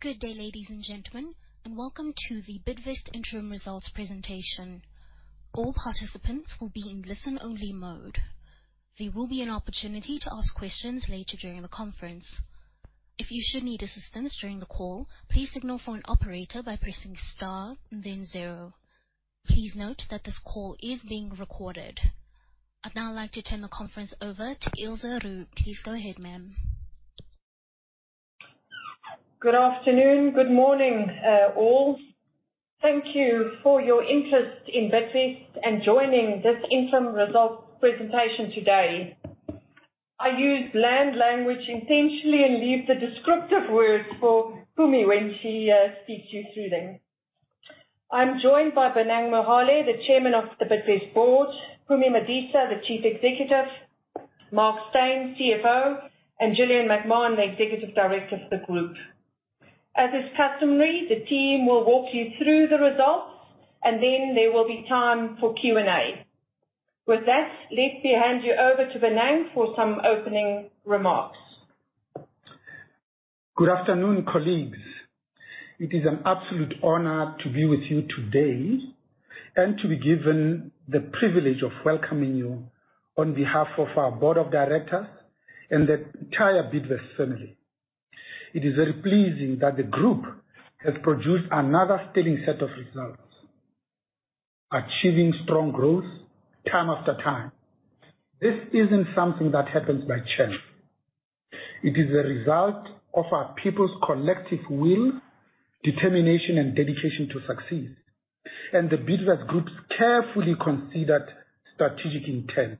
Good day, ladies and gentlemen, welcome to The Bidvest Interim Results Presentation. All participants will be in listen-only mode. There will be an opportunity to ask questions later during the conference. If you should need assistance during the call, please signal for an operator by pressing star and then zero. Please note that this call is being recorded. I'd now like to turn the conference over to Ilze Roux. Please go ahead, ma'am. Good afternoon. Good morning, all. Thank you for your interest in Bidvest and joining this interim results presentation today. I use land language intentionally and leave the descriptive words for Mpumi when she speaks you through them. I'm joined by Bonang Mohale, the Chairman of the Bidvest Board, Mpumi Madisa, the Chief Executive, Mark Steyn, CFO, and Gillian McMahon, the Executive Director of the Group. As is customary, the team will walk you through the results, there will be time for Q&A. Let me hand you over to Bonang for some opening remarks. Good afternoon, colleagues. It is an absolute honor to be with you today and to be given the privilege of welcoming you on behalf of our board of directors and the entire Bidvest family. It is very pleasing that the group has produced another stunning set of results, achieving strong growth time after time. This isn't something that happens by chance. It is a result of our people's collective will, determination, and dedication to succeed, and The Bidvest Group's carefully considered strategic intent.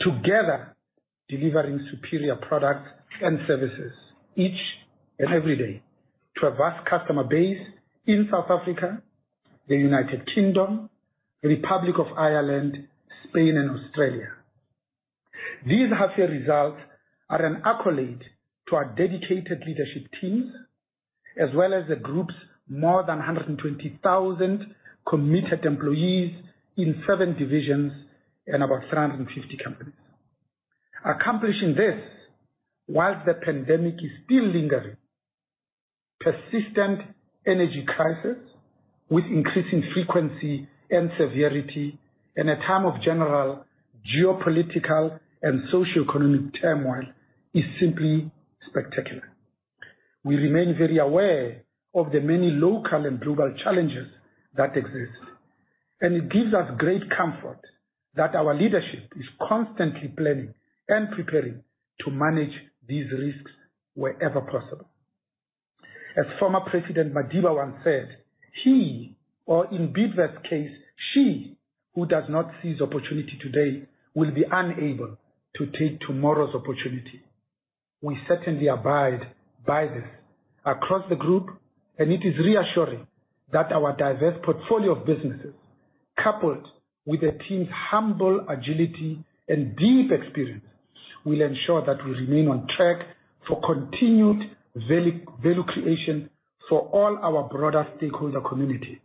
Together, delivering superior products and services each and every day to a vast customer base in South Africa, the United Kingdom, the Republic of Ireland, Spain, and Australia. These half-year results are an accolade to our dedicated leadership teams, as well as the group's more than 120,000 committed employees in seven divisions and about 350 companies. Accomplishing this while the pandemic is still lingering, persistent energy crisis with increasing frequency and severity, in a time of general geopolitical and socioeconomic turmoil, is simply spectacular. We remain very aware of the many local and global challenges that exist, and it gives us great comfort that our leadership is constantly planning and preparing to manage these risks wherever possible. As former President Madiba once said, "He or, in Bidvest's case, she who does not seize opportunity today will be unable to take tomorrow's opportunity." We certainly abide by this across the group, and it is reassuring that our diverse portfolio of businesses, coupled with the team's humble agility and deep experience, will ensure that we remain on track for continued value creation for all our broader stakeholder community.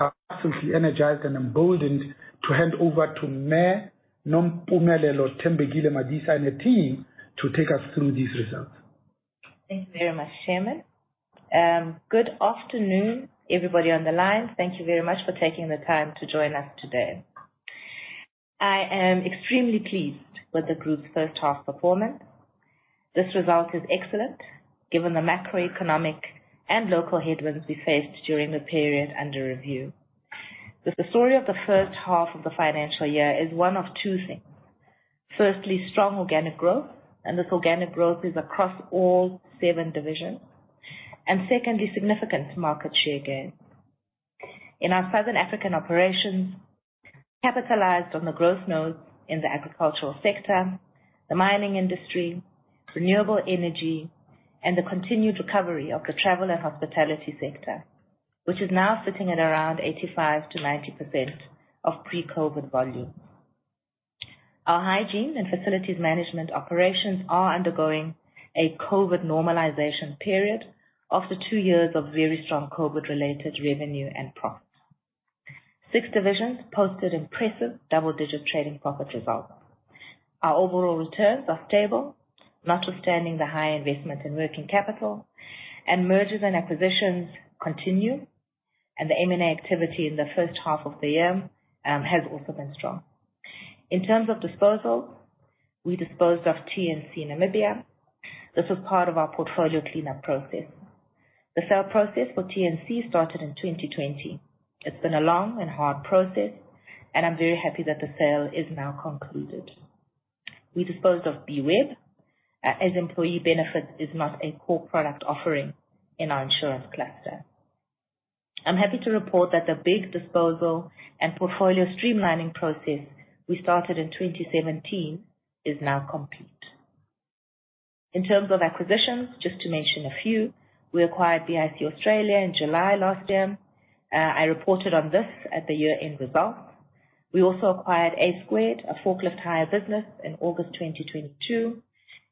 I'm absolutely energized and emboldened to hand over to Ma'am Nompumelelo Thembekile Madisa and the team to take us through these results. Thank you very much, Chairman. good afternoon, everybody on the line. Thank you very much for taking the time to join us today. I am extremely pleased with the group's first half performance. This result is excellent given the macroeconomic and local headwinds we faced during the period under review. The story of the first half of the financial year is one of two things. Firstly, strong organic growth, and this organic growth is across all seven divisions. Secondly, significant market share gain. In our Southern African operations, capitalized on the growth nodes in the agricultural sector, the mining industry, renewable energy, and the continued recovery of the travel and hospitality sector, which is now sitting at around 85%-90% of pre-COVID volume. Our hygiene and facilities management operations are undergoing a COVID normalization period after two years of very strong COVID-related revenue and profits. Six divisions posted impressive double-digit trading profit results. Our overall returns are stable, notwithstanding the high investment in working capital. Mergers and acquisitions continue, the M&A activity in the first half of the year has also been strong. In terms of disposal, we disposed of T&C Namibia. This was part of our portfolio cleanup process. The sale process for T&C started in 2020. It's been a long and hard process, and I'm very happy that the sale is now concluded. We disposed of B-Web, as employee benefits is not a core product offering in our insurance cluster. I'm happy to report that the big disposal and portfolio streamlining process we started in 2017 is now complete. In terms of acquisitions, just to mention a few, we acquired BIC Australia in July last year. I reported on this at the year-end results. We also acquired A Square Group, a forklift hire business, in August 2022.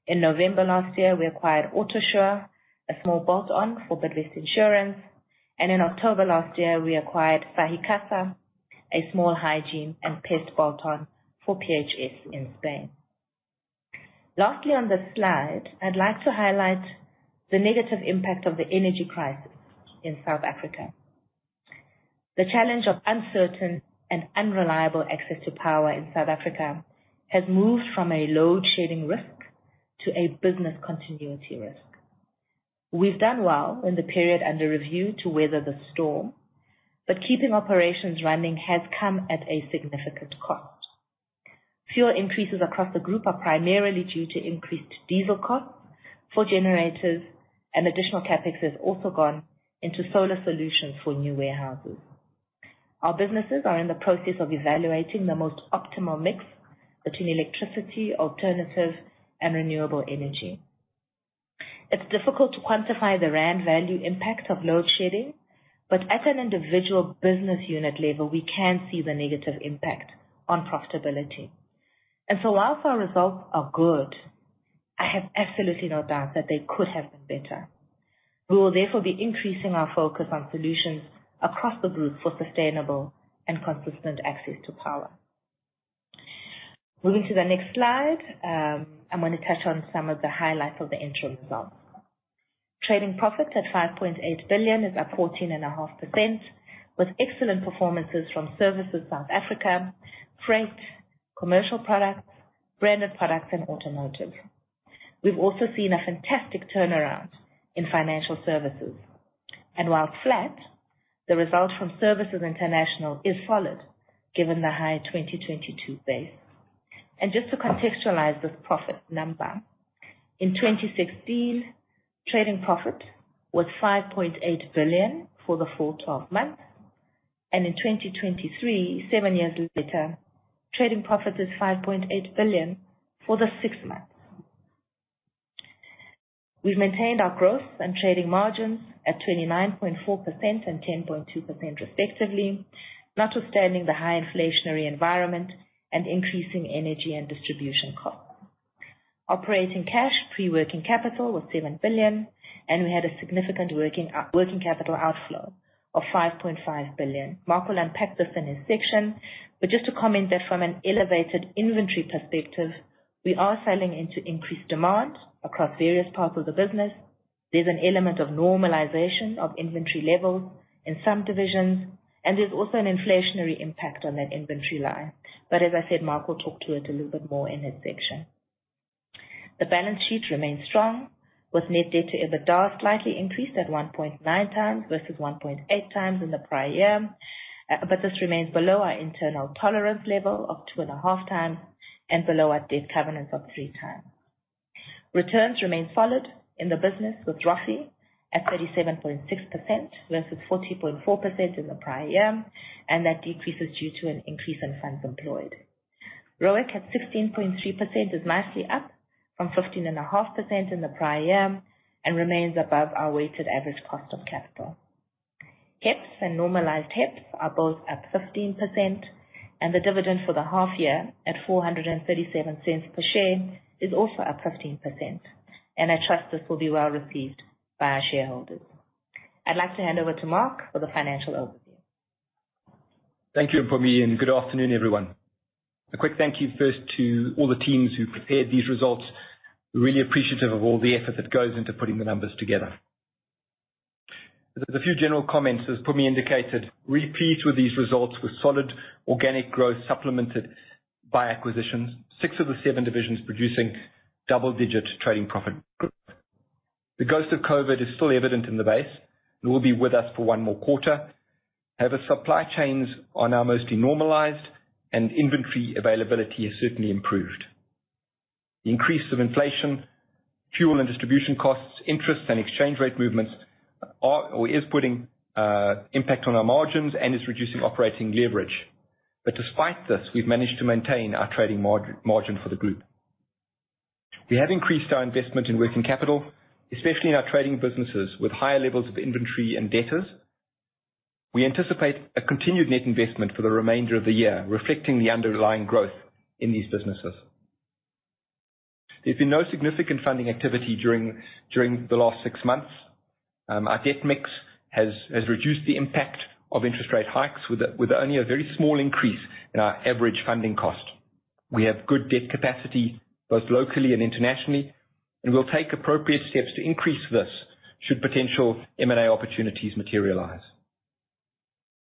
In November last year, we acquired Autosure, a small bolt-on for Bidvest Insurance. In October last year, we acquired Sahicasa, a small hygiene and pest bolt-on for PHS Group in Spain. Lastly, on this slide, I'd like to highlight the negative impact of the energy crisis in South Africa. The challenge of uncertain and unreliable access to power in South Africa has moved from a load-shedding risk to a business continuity risk. We've done well in the period under review to weather the storm, keeping operations running has come at a significant cost. Fuel increases across the group are primarily due to increased diesel costs for generators and additional CapEx has also gone into solar solutions for new warehouses. Our businesses are in the process of evaluating the most optimal mix between electricity, alternative, and renewable energy. It's difficult to quantify the rand value impact of load-shedding, but at an individual business unit level, we can see the negative impact on profitability. While our results are good, I have absolutely no doubt that they could have been better. We will therefore be increasing our focus on solutions across the group for sustainable and consistent access to power. Moving to the next slide, I'm gonna touch on some of the highlights of the interim results. Trading profit at 5.8 billion is up 14.5% with excellent performances from Services South Africa, Freight, Commercial Products, Branded Products, and Automotive. We've also seen a fantastic turnaround in Financial Services. While flat, the results from Services International is solid given the high 2022 base. Just to contextualize this profit number, in 2016, trading profit was 5.8 billion for the full 12 months, in 2023, 7 years later, trading profit is 5.8 billion for the 6 months. We've maintained our growth and trading margins at 29.4% and 10.2% respectively, notwithstanding the high inflationary environment and increasing energy and distribution costs. Operating cash pre-working capital was 7 billion, and we had a significant working capital outflow of 5.5 billion. Mark will unpack this in his section. Just to comment that from an elevated inventory perspective, we are selling into increased demand across various parts of the business. There's an element of normalization of inventory levels in some divisions, and there's also an inflationary impact on that inventory line. As I said, Mark will talk to it a little bit more in his section. The balance sheet remains strong, with net debt to EBITDA slightly increased at 1.9x versus 1.8x in the prior year. This remains below our internal tolerance level of 2.5x and below our debt covenant of 3x. Returns remain solid in the business with ROFE at 37.6% versus 40.4% in the prior year, that decrease is due to an increase in funds employed. ROIC at 16.3% is nicely up from 15.5% in the prior year and remains above our weighted average cost of capital. HEPS and normalized HEPS are both up 15%. The dividend for the half year at 4.37 per share is also up 15%. I trust this will be well received by our shareholders. I'd like to hand over to Mark for the financial overview. Thank you, Mpumi, and good afternoon, everyone. A quick thank you first to all the teams who prepared these results. We're really appreciative of all the effort that goes into putting the numbers together. There's a few general comments, as Mpumi indicated. Really pleased with these results with solid organic growth supplemented by acquisitions, six of the seven divisions producing double-digit trading profit growth. The ghost of COVID is still evident in the base and will be with us for one more quarter. However, supply chains are now mostly normalized and inventory availability has certainly improved. The increase of inflation, fuel and distribution costs, interest and exchange rate movements are or is putting impact on our margins and is reducing operating leverage. Despite this, we've managed to maintain our trading margin for the group. We have increased our investment in working capital, especially in our trading businesses, with higher levels of inventory and debtors. We anticipate a continued net investment for the remainder of the year, reflecting the underlying growth in these businesses. There's been no significant funding activity during the last 6 months. Our debt mix has reduced the impact of interest rate hikes with a only a very small increase in our average funding cost. We have good debt capacity both locally and internationally, and we'll take appropriate steps to increase this, should potential M&A opportunities materialize.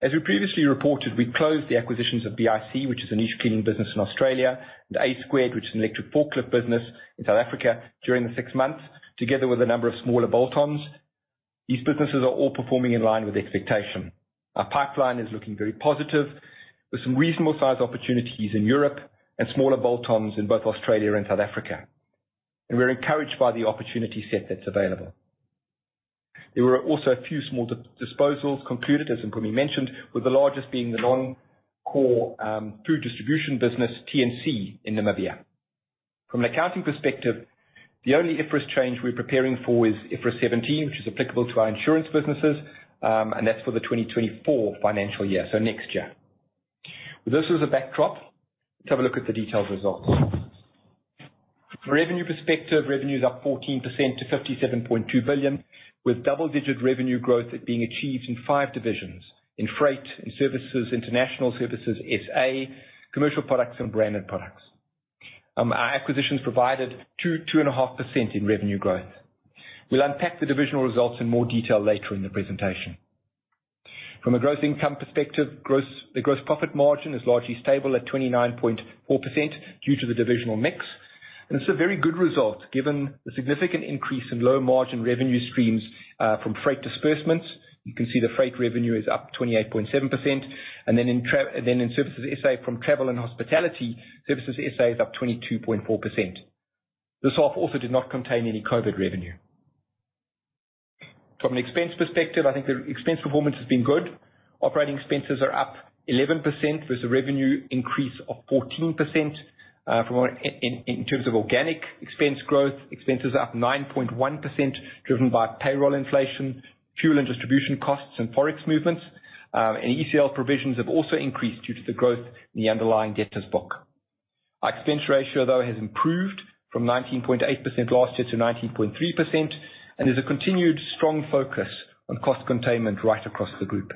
As we previously reported, we closed the acquisitions of BIC, which is a niche cleaning business in Australia, and A Square Group, which is an electric forklift business in South Africa during the 6 months, together with a number of smaller bolt-ons. These businesses are all performing in line with expectation. Our pipeline is looking very positive, with some reasonable-sized opportunities in Europe and smaller bolt-ons in both Australia and South Africa. We're encouraged by the opportunity set that's available. There were also a few small disposals concluded, as Mpumi mentioned, with the largest being the non-core food distribution business, T&C, in Namibia. From an accounting perspective, the only IFRS change we're preparing for is IFRS 17, which is applicable to our insurance businesses, and that's for the 2024 financial year, so next year. With this as a backdrop, let's have a look at the detailed results. Revenue perspective, revenue is up 14% to 57.2 billion, with double-digit revenue growth being achieved in five divisions. In Freight, in Services, International Services, SA, Commercial Products and Branded Products. Our acquisitions provided 2.5% in revenue growth. We'll unpack the divisional results in more detail later in the presentation. From a gross income perspective, the gross profit margin is largely stable at 29.4% due to the divisional mix. It's a very good result given the significant increase in low-margin revenue streams from Freight disbursements. You can see the Freight revenue is up 28.7%. In Services SA from travel and hospitality, Services SA is up 22.4%. This half also did not contain any COVID revenue. From an expense perspective, I think the expense performance has been good. Operating expenses are up 11% versus revenue increase of 14%. In terms of organic expense growth, expenses are up 9.1% driven by payroll inflation, fuel and distribution costs and Forex movements. And ECL provisions have also increased due to the growth in the underlying debtors book. Our expense ratio, though, has improved from 19.8% last year to 19.3% and is a continued strong focus on cost containment right across the group.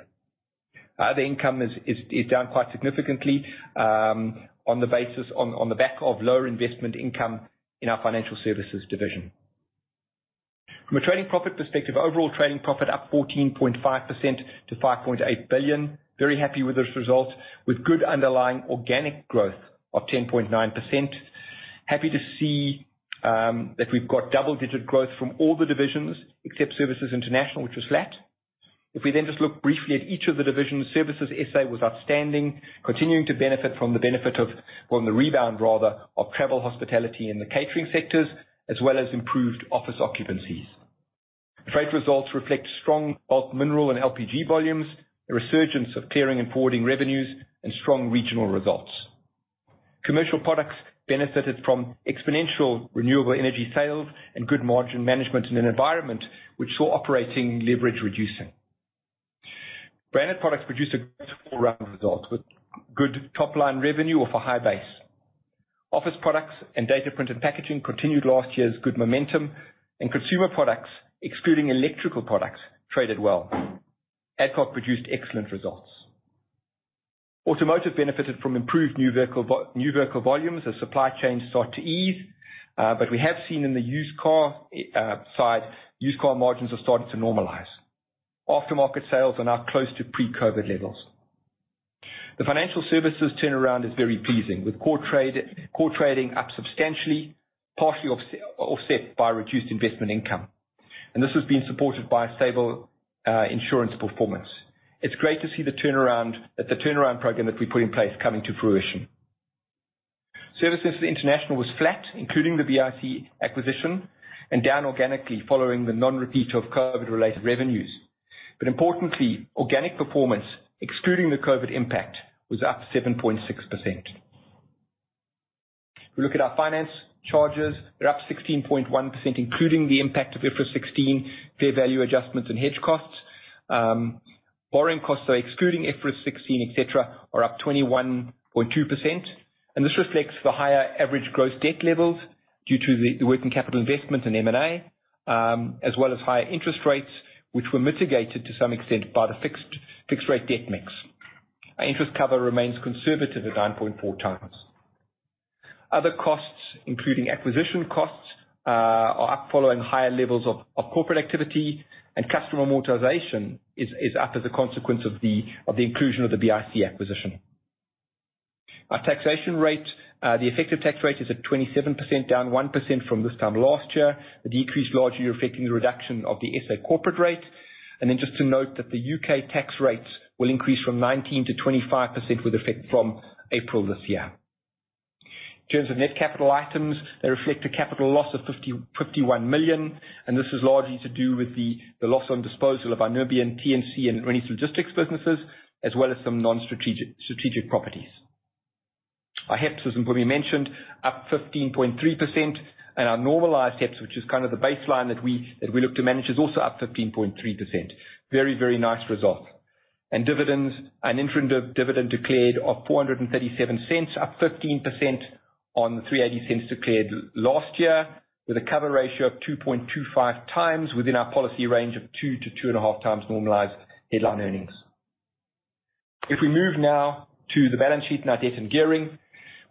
Other income is down quite significantly on the back of lower investment income in our financial services division. From a trading profit perspective, overall trading profit up 14.5% to 5.8 billion. Very happy with those results with good underlying organic growth of 10.9%. Happy to see that we've got double-digit growth from all the divisions except Services International, which was flat. If we then just look briefly at each of the divisions, Services SA was outstanding, continuing to benefit from the benefit of from the rebound rather, of travel, hospitality in the catering sectors, as well as improved office occupancies. Freight results reflect strong bulk mineral and LPG volumes, a resurgence of clearing and forwarding revenues, and strong regional results. Commercial Products benefited from exponential renewable energy sales and good margin management in an environment which saw operating leverage reducing. Branded Products produced a full round of results, with good top-line revenue off a high base. Office Products and data print and packaging continued last year's good momentum. Consumer products, excluding electrical products, traded well. Adcock produced excellent results. Automotive benefited from improved new vehicle volumes as supply chains start to ease. We have seen in the used car side, used car margins are starting to normalize. Aftermarket sales are now close to pre-COVID levels. The financial services turnaround is very pleasing, with core trade, core trading up substantially, partially offset by reduced investment income. This has been supported by a stable insurance performance. It's great to see the turnaround program that we put in place coming to fruition. Services International was flat, including the BIC acquisition and down organically following the non-repeat of COVID-related revenues. Importantly, organic performance, excluding the COVID impact, was up 7.6%. If we look at our finance charges, they're up 16.1%, including the impact of IFRS 16, fair value adjustments and hedge costs. Borrowing costs, excluding IFRS 16, et cetera, are up 21.2%. This reflects the higher average gross debt levels due to the working capital investment in M&A, as well as higher interest rates, which were mitigated to some extent by the fixed-rate debt mix. Our interest cover remains conservative at 9.4x. Other costs, including acquisition costs, are up following higher levels of corporate activity. Customer amortization is up as a consequence of the inclusion of the BIC acquisition. Our taxation rate, the effective tax rate is at 27%, down 1% from this time last year. The decrease largely reflecting the reduction of the SA corporate rate. Just to note that the U.K. tax rate will increase from 19%-25% with effect from April this year. In terms of net capital items, they reflect a capital loss of 51 million. This is largely to do with the loss on disposal of our Nubian, T&C and Rhenus Logistics businesses, as well as some non-strategic properties. Our HEPS, as Mpumi Madisa mentioned, up 15.3%. Our normalized HEPS, which is kind of the baseline that we look to manage, is also up 15.3%. Very, very nice result. Dividends, an interim dividend declared of 4.37, up 15% on the 3.80 declared last year with a cover ratio of 2.25x within our policy range of 2x-2.5x normalized headline earnings. We move now to the balance sheet and our debt and gearing,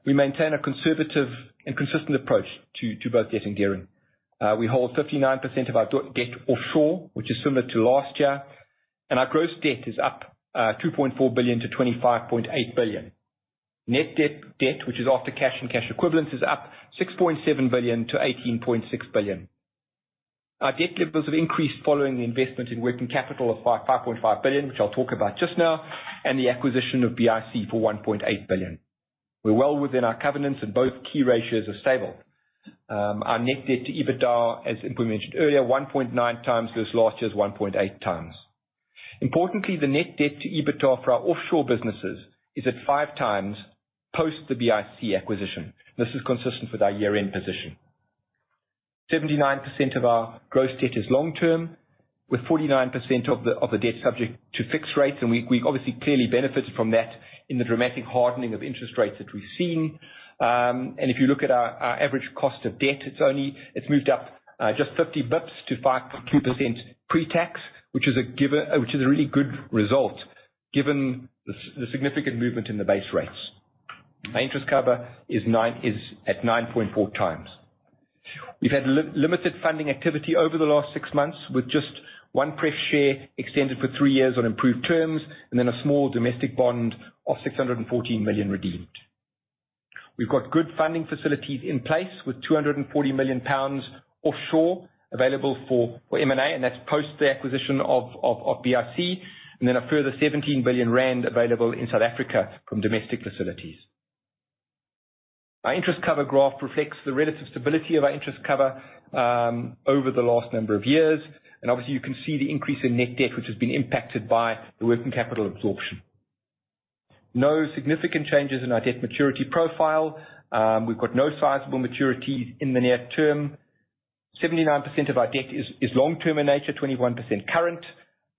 we maintain a conservative and consistent approach to both debt and gearing. We hold 59% of our debt offshore, which is similar to last year, and our gross debt is up 2.4 billion to 25.8 billion. Net debt, which is after cash and cash equivalents, is up 6.7 billion to 18.6 billion. Our debt levels have increased following the investment in working capital of 5.5 billion, which I'll talk about just now, and the acquisition of BIC for 1.8 billion. We're well within our covenants and both key ratios are stable. Our net debt to EBITDA, as Mpumi Madisa mentioned earlier, 1.9x versus last year's 1.8x. Importantly, the net debt to EBITDA for our offshore businesses is at 5x post the BIC acquisition. This is consistent with our year-end position. 79% of our gross debt is long-term, with 49% of the debt subject to fixed rates. We obviously clearly benefited from that in the dramatic hardening of interest rates that we've seen. If you look at our average cost of debt, it's moved up just 50 basis points to 5.2% pre-tax, which is a really good result given the significant movement in the base rates. Our interest cover is at 9.4x. We've had limited funding activity over the last 6 months, with just one pref share extended for 3 years on improved terms, and then a small domestic bond of 614 million redeemed. We've got good funding facilities in place with 240 million pounds offshore available for M&A, and that's post the acquisition of BIC. Then a further 17 billion rand available in South Africa from domestic facilities. Our interest cover graph reflects the relative stability of our interest cover over the last number of years. Obviously you can see the increase in net debt, which has been impacted by the working capital absorption. No significant changes in our debt maturity profile. We've got no sizable maturities in the near term. 79% of our debt is long term in nature, 21% current.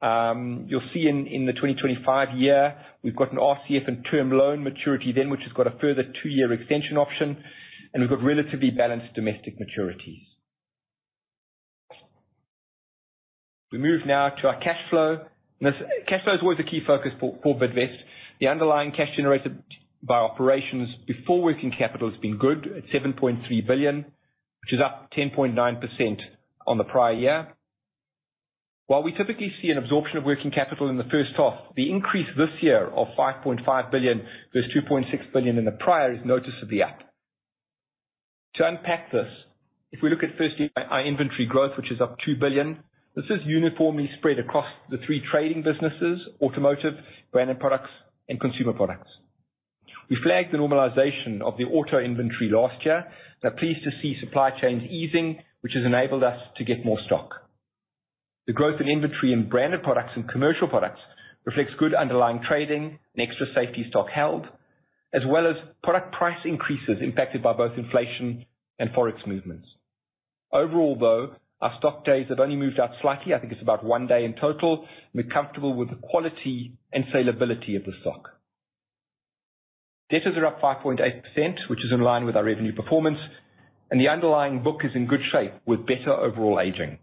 You'll see in the 2025 year, we've got an RCF and term loan maturity then, which has got a further two-year extension option, and we've got relatively balanced domestic maturities. We move now to our cash flow. Cash flow is always a key focus for Bidvest. The underlying cash generated by operations before working capital has been good at 7.3 billion, which is up 10.9% on the prior year. While we typically see an absorption of working capital in the first half, the increase this year of 5.5 billion versus 2.6 billion in the prior is noticeably up. To unpack this, if we look at firstly our inventory growth, which is up 2 billion, this is uniformly spread across the three trading businesses: automotive, branded products, and consumer products. We flagged the normalization of the auto inventory last year. We're pleased to see supply chains easing, which has enabled us to get more stock. The growth in inventory in Branded Products and Commercial Products reflects good underlying trading and extra safety stock held, as well as product price increases impacted by both inflation and Forex movements. Overall, though, our stock days have only moved out slightly. I think it's about one day in total. We're comfortable with the quality and salability of the stock. Debtors are up 5.8%, which is in line with our revenue performance. The underlying book is in good shape with better overall aging.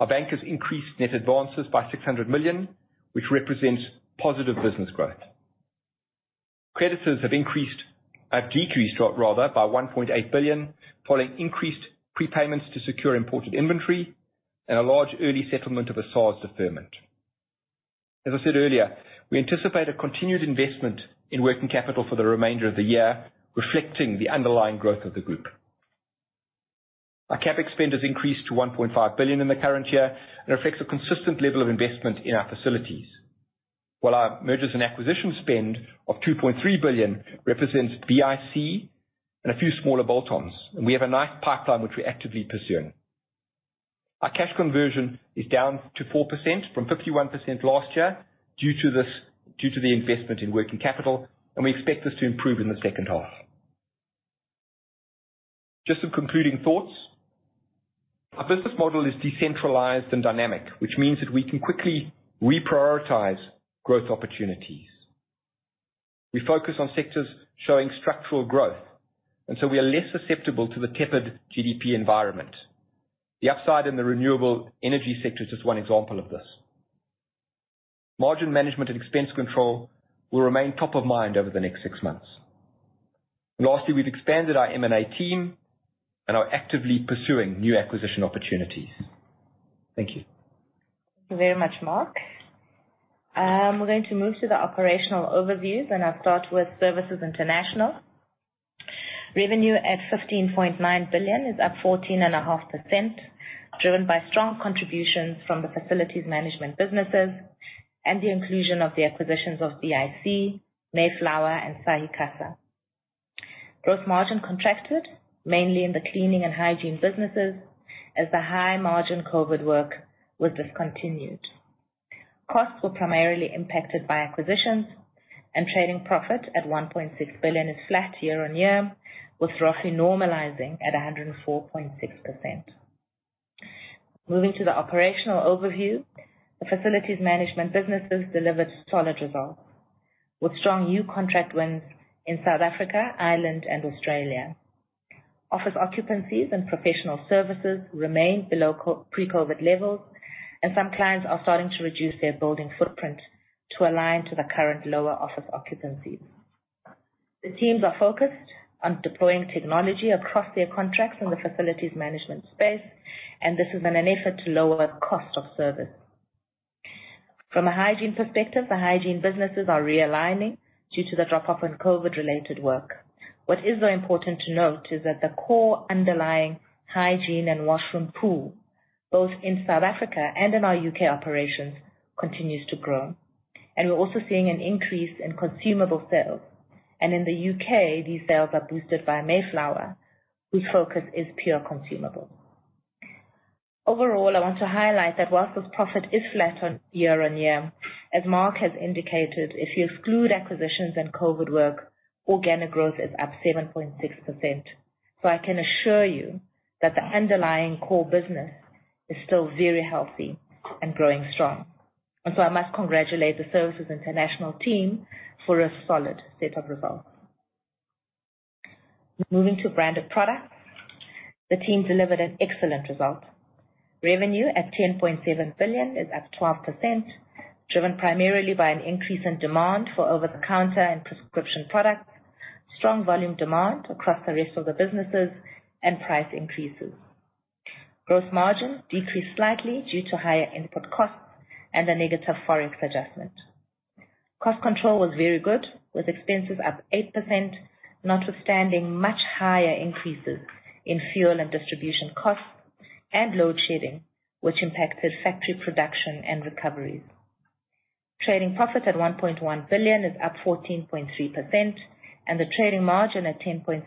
Our bank has increased net advances by 600 million, which represents positive business growth. Creditors have decreased rather by 1.8 billion, following increased prepayments to secure imported inventory and a large early settlement of a SARS deferment. As I said earlier, we anticipate a continued investment in working capital for the remainder of the year, reflecting the underlying growth of the group. Our CapEx spend has increased to 1.5 billion in the current year and reflects a consistent level of investment in our facilities. While our mergers and acquisition spend of 2.3 billion represents BIC and a few smaller bolt-ons, and we have a nice pipeline which we're actively pursuing. Our cash conversion is down to 4% from 51% last year due to the investment in working capital, and we expect this to improve in the second half. Just some concluding thoughts. Our business model is decentralized and dynamic, which means that we can quickly reprioritize growth opportunities. We focus on sectors showing structural growth, and so we are less susceptible to the tepid GDP environment. The upside in the renewable energy sector is just one example of this. Margin management and expense control will remain top of mind over the next six months. Lastly, we've expanded our M&A team and are actively pursuing new acquisition opportunities. Thank you. Thank you very much, Mark. We're going to move to the operational overviews. I'll start with Services International. Revenue at 15.9 billion is up 14.5%, driven by strong contributions from the facilities management businesses and the inclusion of the acquisitions of BIC, Mayflower and Sahicasa. Gross margin contracted mainly in the cleaning and hygiene businesses as the high-margin COVID work was discontinued. Costs were primarily impacted by acquisitions. Trading profit at 1.6 billion is flat year-on-year, with roughly normalizing at 104.6%. Moving to the operational overview, the facilities management businesses delivered solid results, with strong new contract wins in South Africa, Ireland and Australia. Office occupancies and professional services remain below pre-COVID levels. Some clients are starting to reduce their building footprint to align to the current lower office occupancies. The teams are focused on deploying technology across their contracts in the facilities management space. This is in an effort to lower cost of service. From a hygiene perspective, the hygiene businesses are realigning due to the drop-off in COVID-related work. What is very important to note is that the core underlying hygiene and washroom pool, both in South Africa and in our U.K. operations, continues to grow. We're also seeing an increase in consumable sales. In the U.K., these sales are boosted by Mayflower, whose focus is pure consumables. Overall, I want to highlight that whilst this profit is flat on year-on-year, as Mark has indicated, if you exclude acquisitions and COVID work, organic growth is up 7.6%. I can assure you that the underlying core business is still very healthy and growing strong. I must congratulate the Services International team for a solid set of results. Moving to Branded Products, the team delivered an excellent result. Revenue at 10.7 billion is up 12%, driven primarily by an increase in demand for over-the-counter and prescription products, strong volume demand across the rest of the businesses and price increases. Gross margin decreased slightly due to higher input costs and a negative foreign adjustment. Cost control was very good, with expenses up 8%, notwithstanding much higher increases in fuel and distribution costs and load shedding, which impacted factory production and recoveries. Trading profit at 1.1 billion is up 14.3% and the trading margin at 10.7%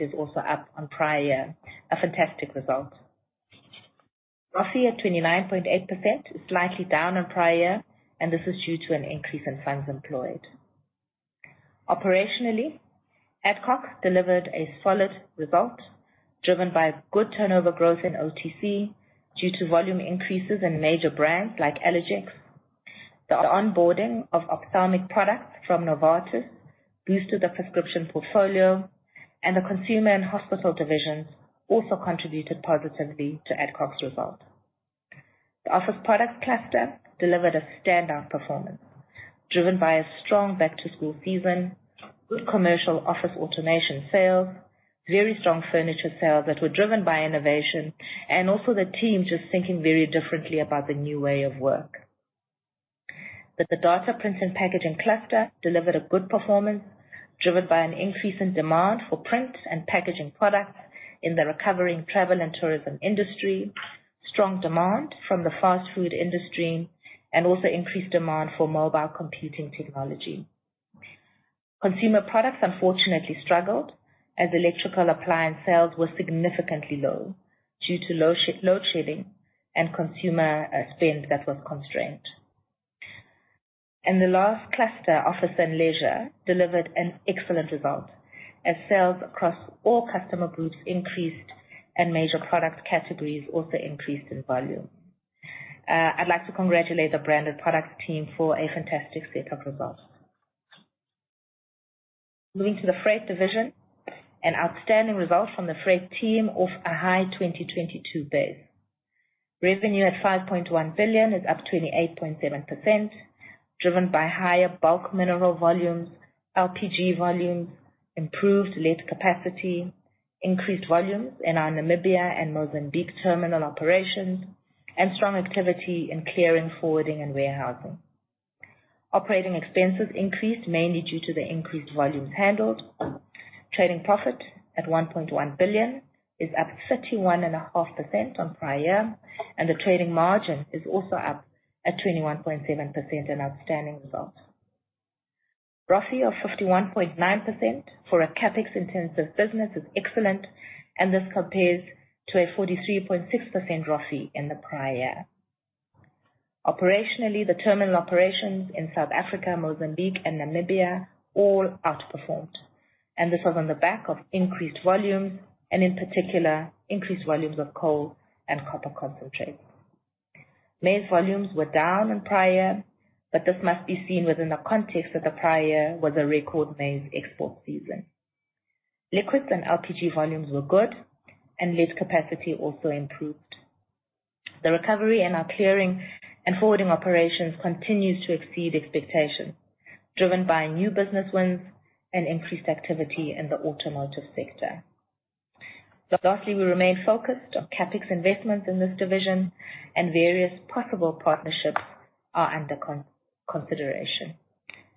is also up on prior year. A fantastic result. ROFI at 29.8% is slightly down on prior. This is due to an increase in funds employed. Operationally, Adcock delivered a solid result driven by good turnover growth in OTC due to volume increases in major brands like Allergex. The onboarding of ophthalmic products from Novartis boosted the prescription portfolio and the consumer and hospital divisions also contributed positively to Adcock's result. The Office Product cluster delivered a standout performance driven by a strong back-to-school season, good commercial office automation sales, very strong furniture sales that were driven by innovation and also the team just thinking very differently about the new way of work. The Data Prints and Packaging cluster delivered a good performance driven by an increase in demand for print and packaging products in the recovering travel and tourism industry, strong demand from the fast food industry and also increased demand for mobile computing technology. Consumer products unfortunately struggled as electrical appliance sales were significantly low due to low load shedding and consumer spend that was constrained. The last cluster, Office and Leisure, delivered an excellent result as sales across all customer groups increased and major product categories also increased in volume. I'd like to congratulate the Branded Products team for a fantastic set of results. Moving to the Freight Division, an outstanding result from the Freight team of a high 2022 base. Revenue at 5.1 billion is up 28.7%, driven by higher bulk mineral volumes, LPG volumes, improved lead capacity, increased volumes in our Namibia and Mozambique terminal operations and strong activity in clearing, forwarding and warehousing. Operating expenses increased mainly due to the increased volumes handled. Trading profit at 1.1 billion is up 31.5% on prior year and the trading margin is also up at 21.7%. An outstanding result. ROFI of 51.9% for a CapEx intensive business is excellent and this compares to a 43.6% ROFI in the prior year. Operationally, the terminal operations in South Africa, Mozambique and Namibia all outperformed and this was on the back of increased volumes and in particular increased volumes of coal and copper concentrate. Maize volumes were down in prior, but this must be seen within the context of the prior was a record maize export season. Liquids and LPG volumes were good and lead capacity also improved. The recovery in our clearing and forwarding operations continues to exceed expectations, driven by new business wins and increased activity in the automotive sector. Lastly, we remain focused on CapEx investments in this division and various possible partnerships are under consideration.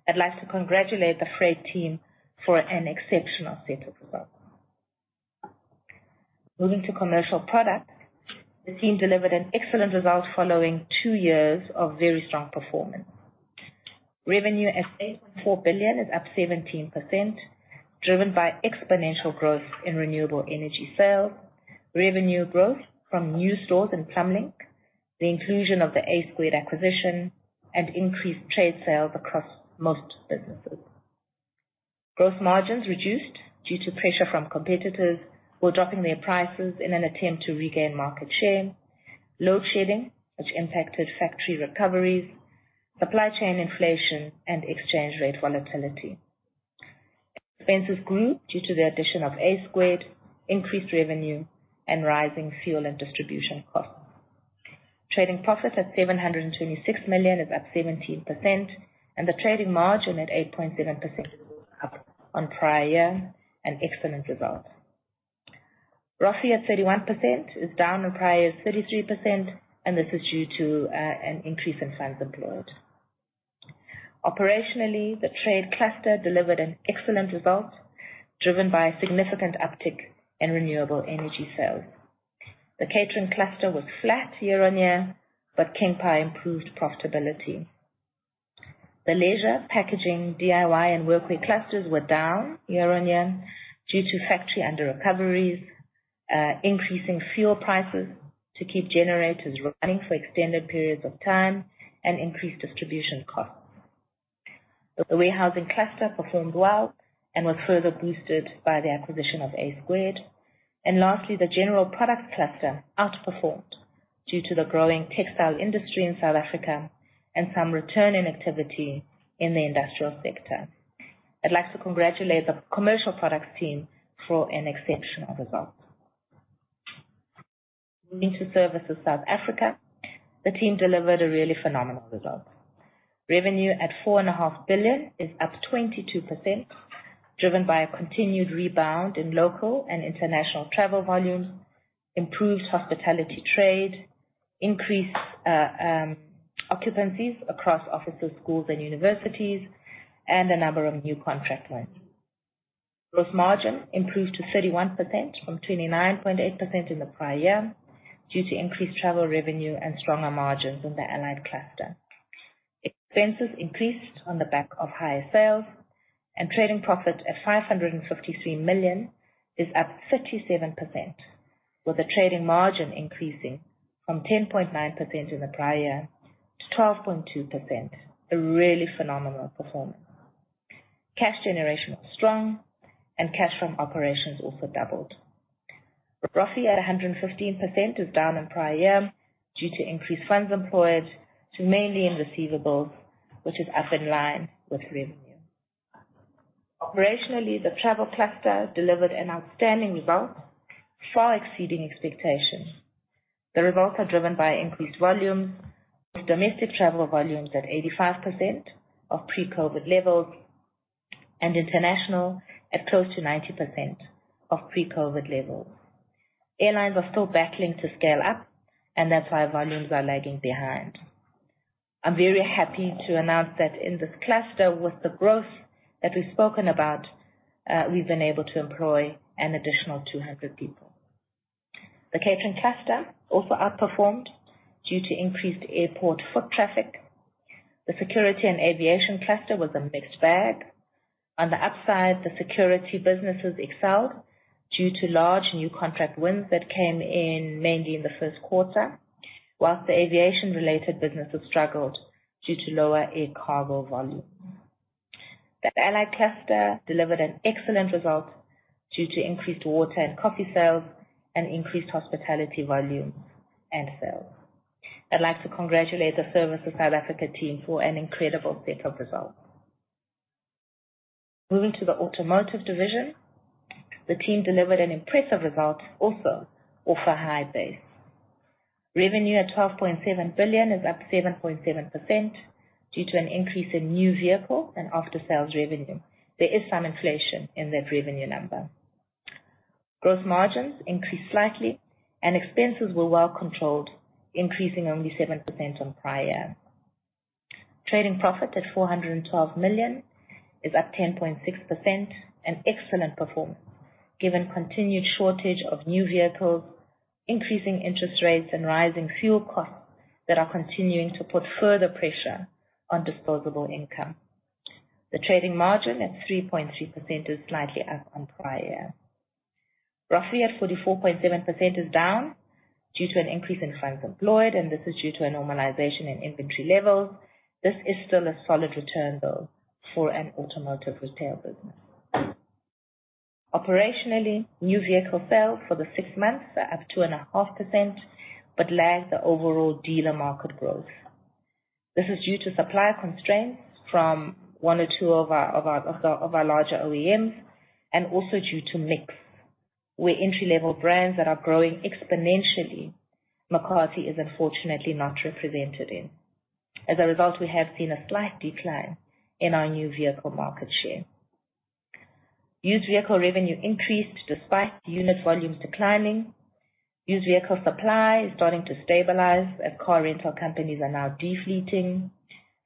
I'd like to congratulate the Freight team for an exceptional set of results. Moving to Commercial Products, the team delivered an excellent result following two years of very strong performance. Revenue at 8.4 billion is up 17%, driven by exponential growth in renewable energy sales, revenue growth from new stores in Plumblink, the inclusion of the A Square acquisition and increased trade sales across most businesses. Growth margins reduced due to pressure from competitors who are dropping their prices in an attempt to regain market share, load shedding which impacted factory recoveries, supply chain inflation and exchange rate volatility. Expenses grew due to the addition of A2, increased revenue and rising fuel and distribution costs. Trading profit at 726 million is up 17% and the trading margin at 8.7% up on prior year, an excellent result. ROFE at 31% is down on prior's 33% and this is due to an increase in funds employed. Operationally, the trade cluster delivered an excellent result driven by a significant uptick in renewable energy sales. The catering cluster was flat year on year, but King Pie improved profitability. The leisure, packaging, DIY and Workwear clusters were down year on year due to factory under-recoveries, increasing fuel prices to keep generators running for extended periods of time and increased distribution costs. The warehousing cluster performed well and was further boosted by the acquisition of A-Squared. Lastly, the general products cluster outperformed due to the growing textile industry in South Africa and some return in activity in the industrial sector. I'd like to congratulate the Commercial Products team for an exceptional result. Into Services South Africa, the team delivered a really phenomenal result. Revenue at 4.5 billion is up 22%, driven by a continued rebound in local and international travel volumes, improved hospitality trade, increased occupancies across offices, schools and universities, and a number of new contract wins. Gross margin improved to 31% from 29.8% in the prior year, due to increased travel revenue and stronger margins in the allied cluster. Expenses increased on the back of higher sales and trading profit at 553 million is up 37%, with the trading margin increasing from 10.9% in the prior year to 12.2%. A really phenomenal performance. Cash generation was strong and cash from operations also doubled. ROFI at 115% is down on prior year due to increased funds employed to mainly in receivables, which is up in line with revenue. Operationally, the travel cluster delivered an outstanding result, far exceeding expectations. The results are driven by increased volume, with domestic travel volumes at 85% of pre-COVID levels and international at close to 90% of pre-COVID levels. Airlines are still battling to scale up, and that's why volumes are lagging behind. I'm very happy to announce that in this cluster, with the growth that we've spoken about, we've been able to employ an additional 200 people. The catering cluster also outperformed due to increased airport foot traffic. The security and aviation cluster was a mixed bag. On the upside, the security businesses excelled due to large new contract wins that came in mainly in the first quarter. The aviation-related businesses struggled due to lower air cargo volume. The allied cluster delivered an excellent result due to increased water and coffee sales and increased hospitality volumes and sales. I'd like to congratulate the Services South Africa team for an incredible set of results. Moving to the Automotive division, the team delivered an impressive result also off a high base. Revenue at 12.7 billion is up 7.7% due to an increase in new vehicle and after sales revenue. There is some inflation in that revenue number. Gross margins increased slightly and expenses were well controlled, increasing only 7% on prior. Trading profit at 412 million is up 10.6%. An excellent performance given continued shortage of new vehicles, increasing interest rates and rising fuel costs that are continuing to put further pressure on disposable income. The trading margin at 3.3% is slightly up on prior year. ROFI at 44.7% is down due to an increase in funds employed, and this is due to a normalization in inventory levels. This is still a solid return, though, for an automotive retail business. Operationally, new vehicle sales for the six months are up 2.5%, but lags the overall dealer market growth. This is due to supply constraints from one or two of our larger OEMs and also due to mix, where entry-level brands that are growing exponentially, McCarthy is unfortunately not represented in. As a result, we have seen a slight decline in our new vehicle market share. Used vehicle revenue increased despite unit volumes declining. Used vehicle supply is starting to stabilize as car rental companies are now de-fleeting.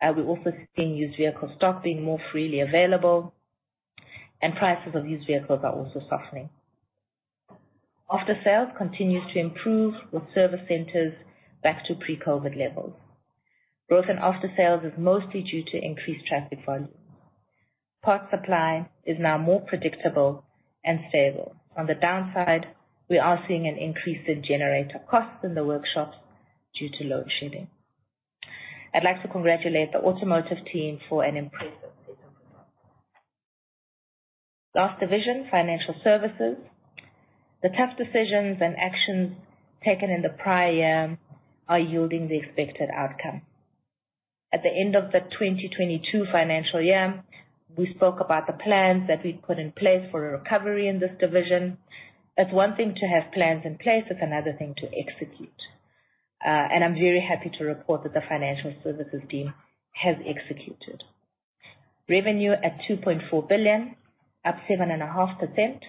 We're also seeing used vehicle stock being more freely available, and prices of used vehicles are also softening. After sales continues to improve, with service centers back to pre-COVID levels. Growth in after sales is mostly due to increased traffic volume. Parts supply is now more predictable and stable. On the downside, we are seeing an increase in generator costs in the workshops due to load shedding. I'd like to congratulate the Automotive team for an impressive set of results. Last division, Financial Services. Tough decisions and actions taken in the prior year are yielding the expected outcome. At the end of the 2022 financial year, we spoke about the plans that we'd put in place for a recovery in this division. It's one thing to have plans in place, it's another thing to execute. I'm very happy to report that the Financial Services team has executed. Revenue at 2.4 billion, up 7.5%,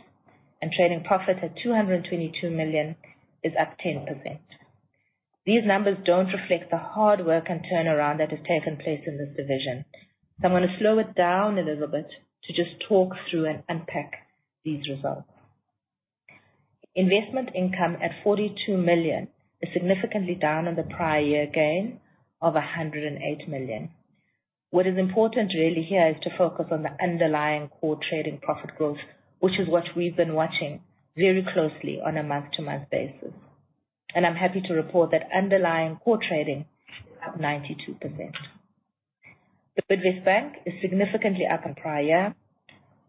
trading profit at 222 million is up 10%. These numbers don't reflect the hard work and turnaround that has taken place in this division. I'm gonna slow it down a little bit to just talk through and unpack these results. Investment income at 42 million is significantly down on the prior year gain of 108 million. What is important really here is to focus on the underlying core trading profit growth, which is what we've been watching very closely on a month-to-month basis. I'm happy to report that underlying core trading is up 92%. The Bidvest Bank is significantly up on prior,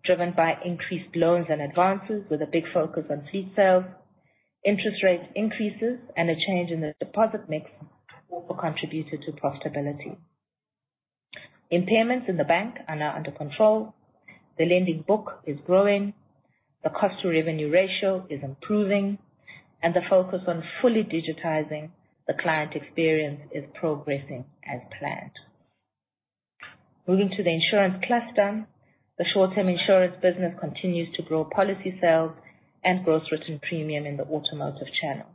driven by increased loans and advances with a big focus on fee sales, interest rate increases, and a change in the deposit mix also contributed to profitability. Impairments in the bank are now under control. The lending book is growing, the cost to revenue ratio is improving, and the focus on fully digitizing the client experience is progressing as planned. Moving to the insurance cluster, the short-term insurance business continues to grow policy sales and gross written premium in the automotive channel.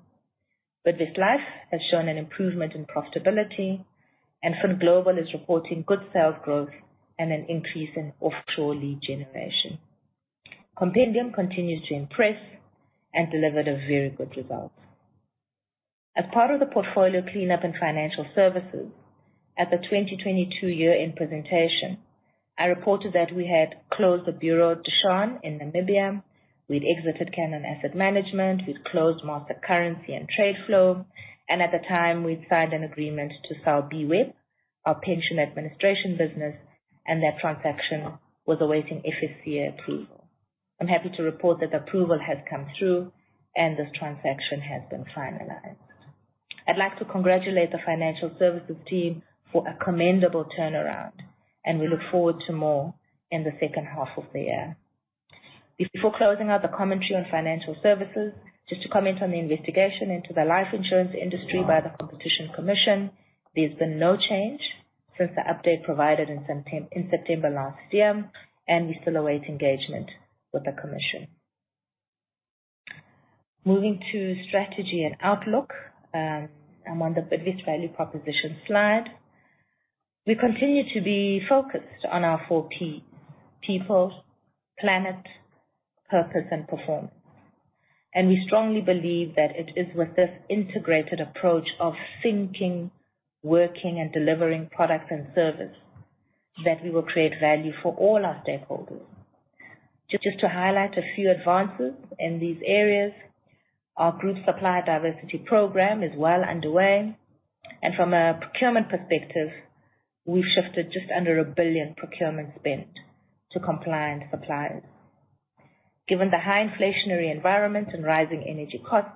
Bidvest Life has shown an improvement in profitability, and FinGlobal is reporting good sales growth and an increase in offshore lead generation. Compendium continues to impress and delivered a very good result. As part of the portfolio cleanup and financial services at the 2022 year-end presentation, I reported that we had closed the Bureau de Change in Namibia. We'd exited Cannon Asset Managers. We'd closed Master Currency and Trade Flow, and at the time, we'd signed an agreement to sell B-Web, our pension administration business, and that transaction was awaiting FSCA approval. I'm happy to report that approval has come through and this transaction has been finalized. I'd like to congratulate the financial services team for a commendable turnaround, and we look forward to more in the second half of the year. Before closing out the commentary on financial services, just to comment on the investigation into the life insurance industry by the Competition Commission, there's been no change since the update provided in September last year, and we still await engagement with the Commission. Moving to strategy and outlook, I'm on the Bidvest value proposition slide. We continue to be focused on our four P, people, planet, purpose and performance. We strongly believe that it is with this integrated approach of thinking, working and delivering products and service that we will create value for all our stakeholders. Just to highlight a few advances in these areas, our group supplier diversity program is well underway, and from a procurement perspective, we've shifted just under 1 billion procurement spend to compliant suppliers. Given the high inflationary environment and rising energy costs,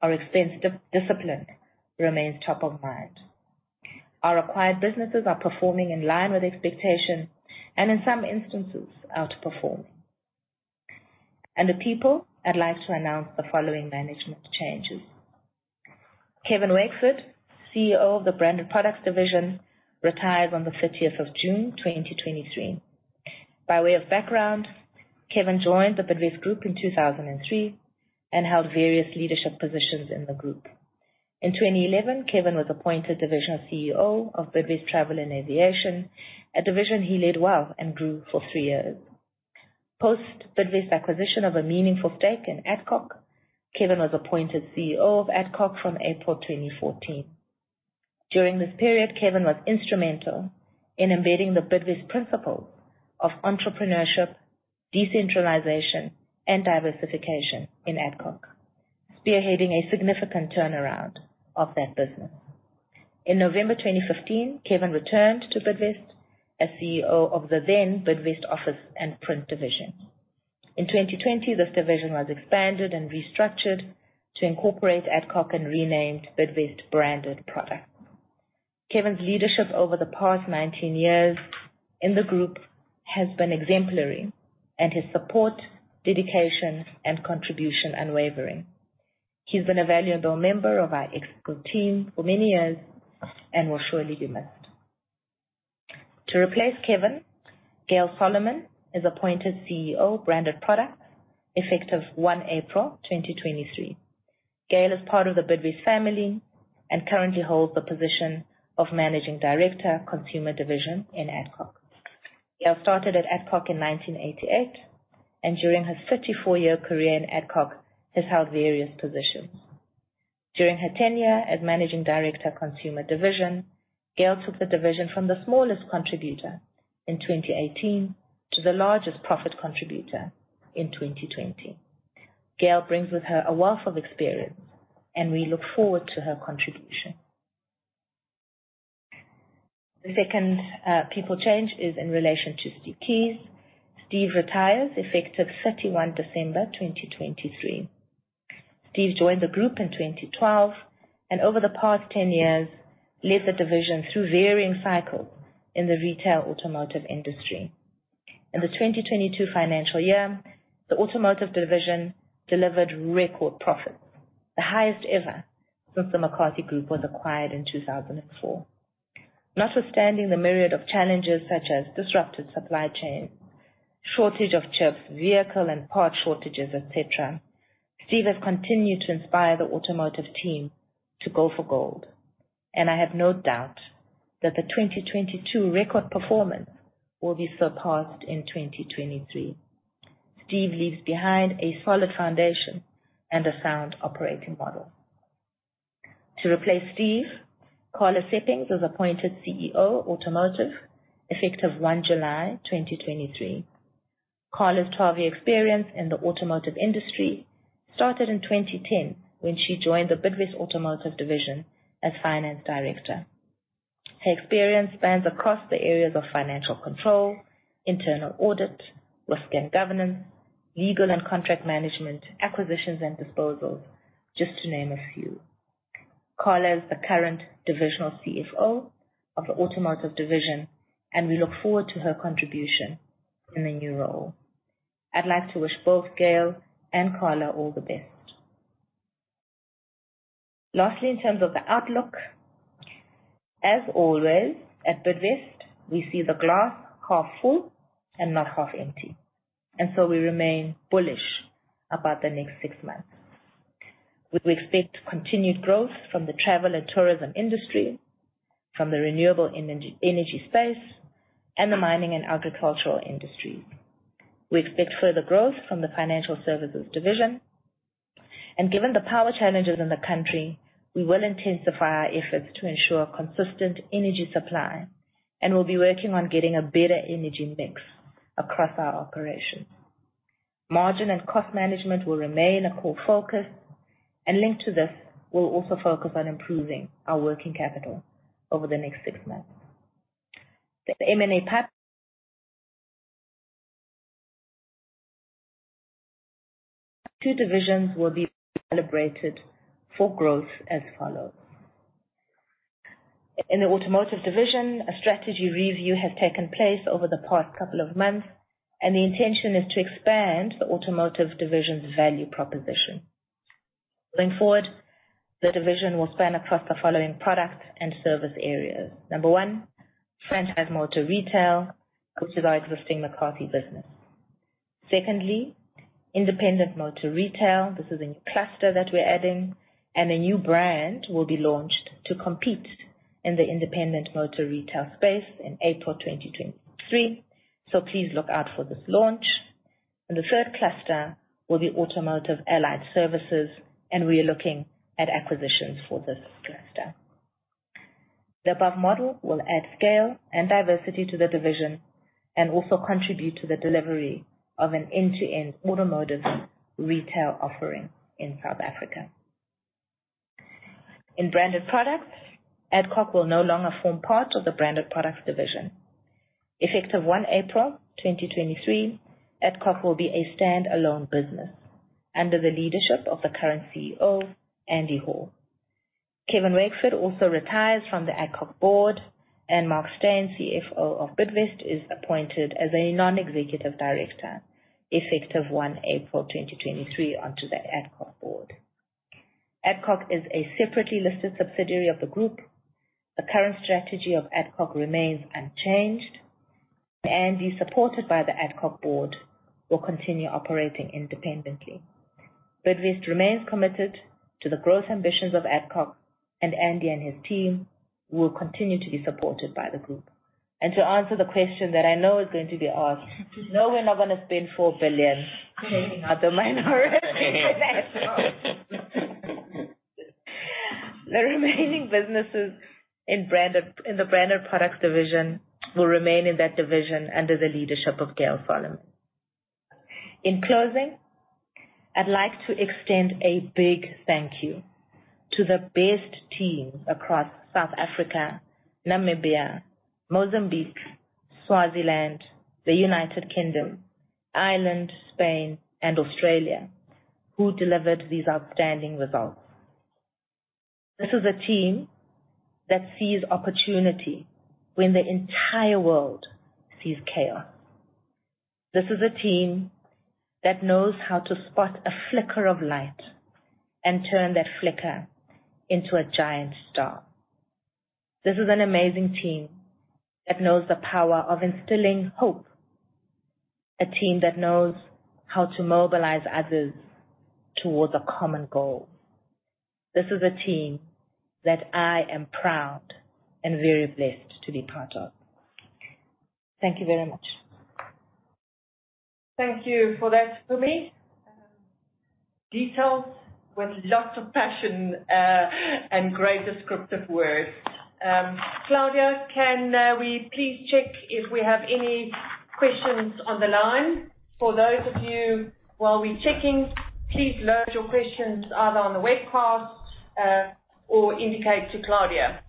our expense discipline remains top of mind. Our acquired businesses are performing in line with expectation and in some instances, outperform. Under people, I'd like to announce the following management changes. Kevin Wakeford, CEO of the Branded Products division, retires on the 30th of June, 2023. By way of background, Kevin joined The Bidvest Group in 2003 and held various leadership positions in the group. In 2011, Kevin was appointed divisional CEO of Bidvest Travel and Aviation, a division he led well and grew for three years. Post Bidvest acquisition of a meaningful stake in Adcock, Kevin was appointed CEO of Adcock from April 2014. During this period, Kevin was instrumental in embedding the Bidvest principles of entrepreneurship, decentralization and diversification in Adcock, spearheading a significant turnaround of that business. In November 2015, Kevin returned to Bidvest as CEO of the then Bidvest Office and Print division. In 2020, this division was expanded and restructured to incorporate Adcock and renamed Bidvest Branded Products. Kevin's leadership over the past 19 years in the group has been exemplary, and his support, dedication and contribution unwavering. He's been a valuable member of our Exco team for many years and will surely be missed. To replace Kevin, Gail Solomon is appointed CEO of Branded Products effective 1 April 2023. Gail is part of the Bidvest family and currently holds the position of Managing Director, Consumer division in Adcock. Gail started at Adcock in 1988, and during her 34-year career in Adcock, has held various positions. During her tenure as Managing Director, Consumer division, Gail took the division from the smallest contributor in 2018 to the largest profit contributor in 2020. Gail brings with her a wealth of experience, and we look forward to her contribution. The second people change is in relation to Steve Keys. Steve retires effective 31 December, 2023. Steve joined the group in 2012 and over the past 10 years, led the division through varying cycles in the retail automotive industry. In the 2022 financial year, the Automotive division delivered record profits, the highest ever since the McCarthy Group was acquired in 2004. Notwithstanding the myriad of challenges such as disrupted supply chain, shortage of chips, vehicle and parts shortages, etc. Steve has continued to inspire the Automotive team to go for gold. I have no doubt that the 2022 record performance will be surpassed in 2023. Steve leaves behind a solid foundation and a sound operating model. To replace Steve, Carla Seppings was appointed CEO Automotive effective 1 July 2023. Carla's 12-year experience in the Automotive industry started in 2010 when she joined the Bidvest Automotive Division as finance director. Her experience spans across the areas of financial control, internal audit, risk and governance, legal and contract management, acquisitions and disposals, just to name a few. Carla is the current divisional CFO of the Automotive Division. We look forward to her contribution in the new role. I'd like to wish both Gail and Carla all the best. Lastly, in terms of the outlook, as always, at Bidvest, we see the glass half full and not half empty, we remain bullish about the next 6 months. We expect continued growth from the travel and tourism industry, from the renewable energy space, and the mining and agricultural industry. We expect further growth from the financial services division. Given the power challenges in the country, we will intensify our efforts to ensure consistent energy supply, and we'll be working on getting a better energy mix across our operations. Margin and cost management will remain a core focus, and linked to this, we'll also focus on improving our working capital over the next 6 months. The M&A 2 divisions will be calibrated for growth as follows. In the Automotive Division, a strategy review has taken place over the past couple of months, and the intention is to expand the Automotive Division's value proposition. Going forward, the division will span across the following products and service areas. Number one, franchise motor retail. This is our existing Bidvest McCarthy business. Secondly, independent motor retail. This is a new cluster that we're adding and a new brand will be launched to compete in the independent motor retail space in April 2023. Please look out for this launch. The third cluster will be automotive allied services, and we are looking at acquisitions for this cluster. The above model will add scale and diversity to the division and also contribute to the delivery of an end-to-end automotive retail offering in South Africa. In Branded Products, Adcock Ingram will no longer form part of the Branded Products division. Effective 1 April 2023, Adcock will be a standalone business under the leadership of the current CEO, Andy Hall. Kevin Wakeford also retires from the Adcock board, and Mark Steyn, CFO of Bidvest, is appointed as a non-executive director effective 1 April 2023 onto the Adcock board. Adcock is a separately listed subsidiary of the group. The current strategy of Adcock remains unchanged. Andy, supported by the Adcock board, will continue operating independently. Bidvest remains committed to the growth ambitions of Adcock, and Andy and his team will continue to be supported by the group. To answer the question that I know is going to be asked, no, we're not gonna spend 4 billion taking out the minority. The remaining businesses in the Branded Products division will remain in that division under the leadership of Gail Solomon. In closing, I'd like to extend a big thank you to the best teams across South Africa, Namibia, Mozambique, Swaziland, the United Kingdom, Ireland, Spain and Australia who delivered these outstanding results. This is a team that sees opportunity when the entire world sees chaos. This is a team that knows how to spot a flicker of light and turn that flicker into a giant star. This is an amazing team that knows the power of instilling hope, a team that knows how to mobilize others towards a common goal. This is a team that I am proud and very blessed to be part of. Thank you very much. Thank you for that, Mpumi. Details with lots of passion and great descriptive words. Claudia, can we please check if we have any questions on the line. For those of you while we're checking, please load your questions either on the webcast or indicate to Claudia.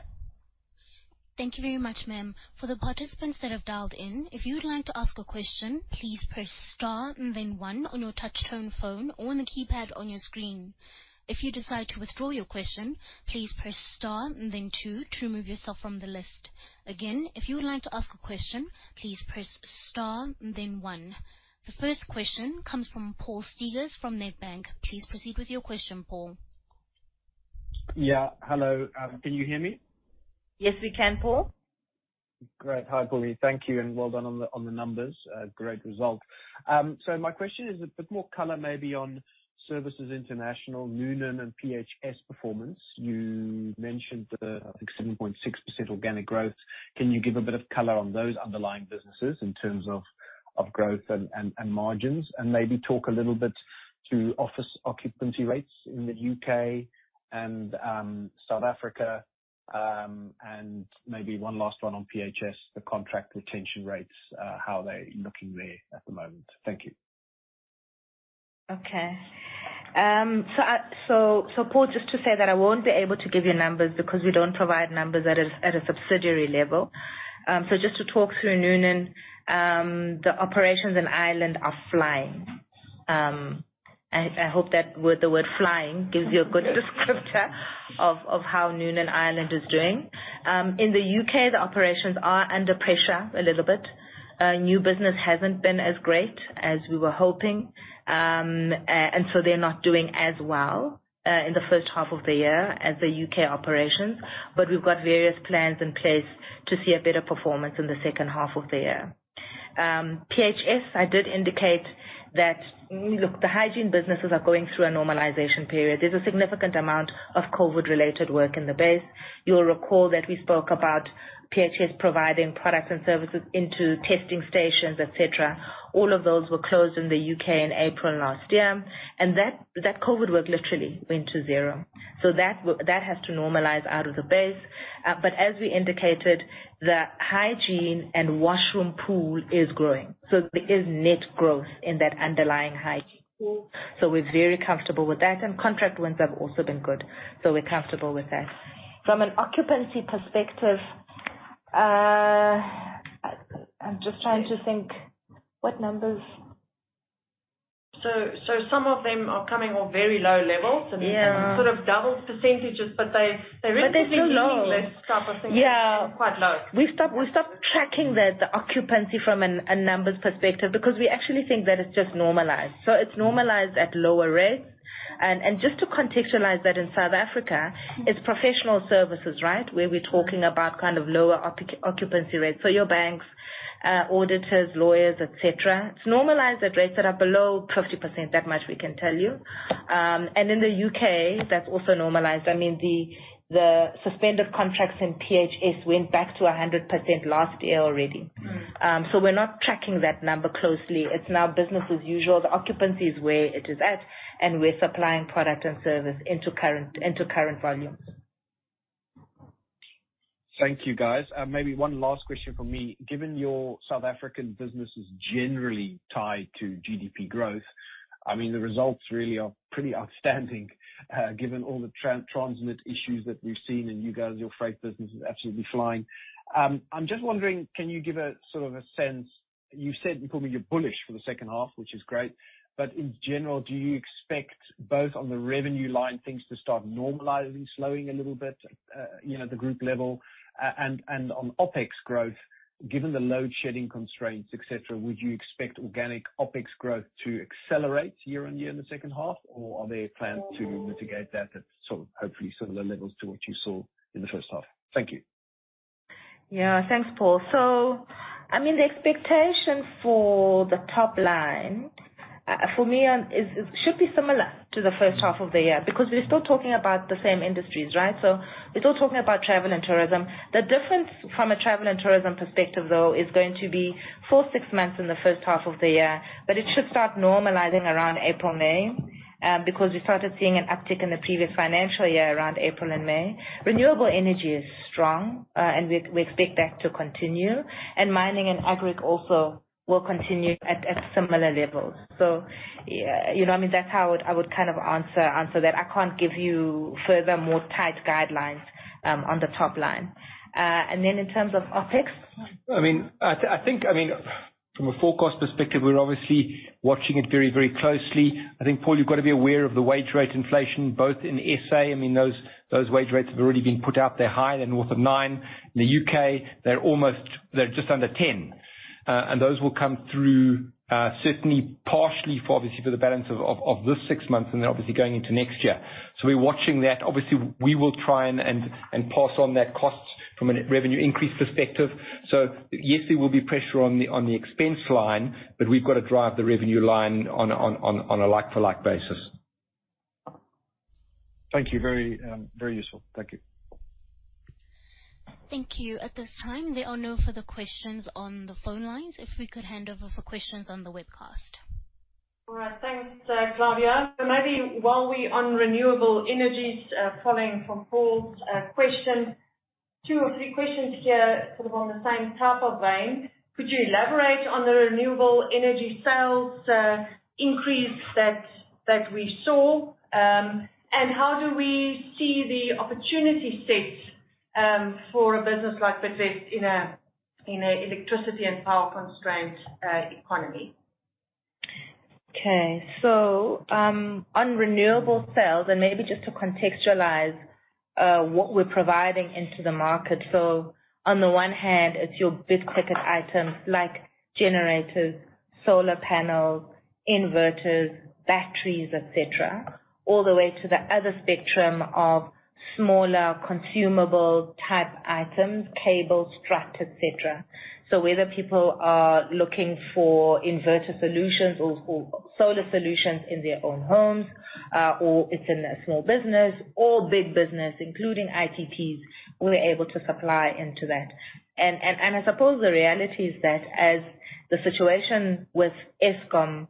Thank you very much, ma'am. For the participants that have dialed in, if you would like to ask a question, please press star and then one on your touchtone phone or on the keypad on your screen. If you decide to withdraw your question, please press star and then two to remove yourself from the list. Again, if you would like to ask a question, please press star and then one. The first question comes from Paul Steyn from Nedbank. Please proceed with your question, Paul. Hello. Can you hear me? Yes, we can, Paul. Great. Hi, Mpumi. Thank you, well done on the numbers. Great result. My question is a bit more color maybe on Bidvest Services International, Bidvest Noonan and PHS Group performance. You mentioned the, I think, 7.6% organic growth. Can you give a bit of color on those underlying businesses in terms of growth and margins? Maybe talk a little bit to office occupancy rates in the U.K. and South Africa. Maybe one last one on PHS Group, the contract retention rates, how are they looking there at the moment? Thank you. Okay. Paul, just to say that I won't be able to give you numbers because we don't provide numbers at a subsidiary level. Just to talk through Noonan, the operations in Ireland are flying. I hope that the word flying gives you a good descriptor of how Noonan Ireland is doing. In the U.K., the operations are under pressure a little bit. New business hasn't been as great as we were hoping. And so they're not doing as well in the first half of the year as the U.K. operations. We've got various plans in place to see a better performance in the second half of the year. PHS, I did indicate that. Look, the hygiene businesses are going through a normalization period. There's a significant amount of COVID-related work in the base. You'll recall that we spoke about PHS providing products and services into testing stations, et cetera. All of those were closed in the U.K. in April last year, and that COVID work literally went to 0. That has to normalize out of the base. As we indicated, the hygiene and washroom pool is growing, so there is net growth in that underlying hygiene pool. We're very comfortable with that. Contract wins have also been good, so we're comfortable with that. From an occupancy perspective, I'm just trying to think what. Some of them are coming on very low levels. Sort of double percent, but they really less type of thing. They're still low. Quite low. We've stopped tracking the occupancy from a numbers perspective because we actually think that it's just normalized. It's normalized at lower rates. Just to contextualize that in South Africa, it's professional services, right? Where we're talking about kind of lower occupancy rates. Your banks, auditors, lawyers, et cetera. It's normalized at rates that are below 50%, that much we can tell you. In the U.K., that's also normalized. The suspended contracts in PHS went back to 100% last year already. We're not tracking that number closely. It's now business as usual. The occupancy is where it is at, and we're supplying product and service into current volumes. Thank you, guys. Maybe one last question from me. Given your South African business is generally tied to GDP growth the results really are pretty outstanding, given all the Transnet issues that we've seen, and you guys, your Freight business is absolutely flying. I'm just wondering, can you give a sort of a sense. You said, you called me, you're bullish for the second half, which is great. In general, do you expect both on the revenue line things to start normalizing, slowing a little bit the group level? On OpEx growth, given the load shedding constraints, et cetera, would you expect organic OpEx growth to accelerate year-on-year in the second half? Or are there plans to mitigate that at hopefully, similar levels to what you saw in the first half? Thank you. Thanks, Paul. The expectation for the top line, for me, should be similar to the first half of the year because we're still talking about the same industries, right? We're still talking about travel and tourism. The difference from a travel and tourism perspective, though, is going to be full 6 months in the first half of the year, but it should start normalizing around April, May, because we started seeing an uptick in the previous financial year around April and May. Renewable energy is strong, and we expect that to continue. Mining and agriculture will continue at similar levels. That's how I would kind of answer that. I can't give you further more tight guidelines on the top line. Then in terms of OpEx? From a forecast perspective, we're obviously watching it very, very closely. I think, Paul, you've got to be aware of the wage rate inflation, both in SA those wage rates have already been put out. They're high, they're north of 9%. In the U.K., they're just under 10%. Those will come through, certainly partially for, obviously, for the balance of this six months, and they're obviously going into next year. We're watching that. Obviously, We will try and pass on that cost from a revenue increase perspective. Yes, there will be pressure on the expense line, but we've got to drive the revenue line on a like-for-like basis. Thank you. Very, very useful. Thank you. Thank you. At this time, there are no further questions on the phone lines. We could hand over for questions on the webcast. All right. Thanks, Claudia. Maybe while we're on renewable energies, following from Paul's question, two or three questions here sort of on the same type of vein. Could you elaborate on the renewable energy sales increase that we saw? How do we see the opportunity set for a business like Bidvest in a electricity and power-constrained economy? Okay. On renewable sales, maybe just to contextualize what we're providing into the market. On the one hand, it's your big ticket items like generators, solar panels, inverters, batteries, et cetera, all the way to the other spectrum of smaller consumable type items, cables, strut, et cetera. Whether people are looking for inverter solutions or solar solutions in their own homes, or it's in a small business or big business, including ITTs, we're able to supply into that. I suppose the reality is that as the situation with Eskom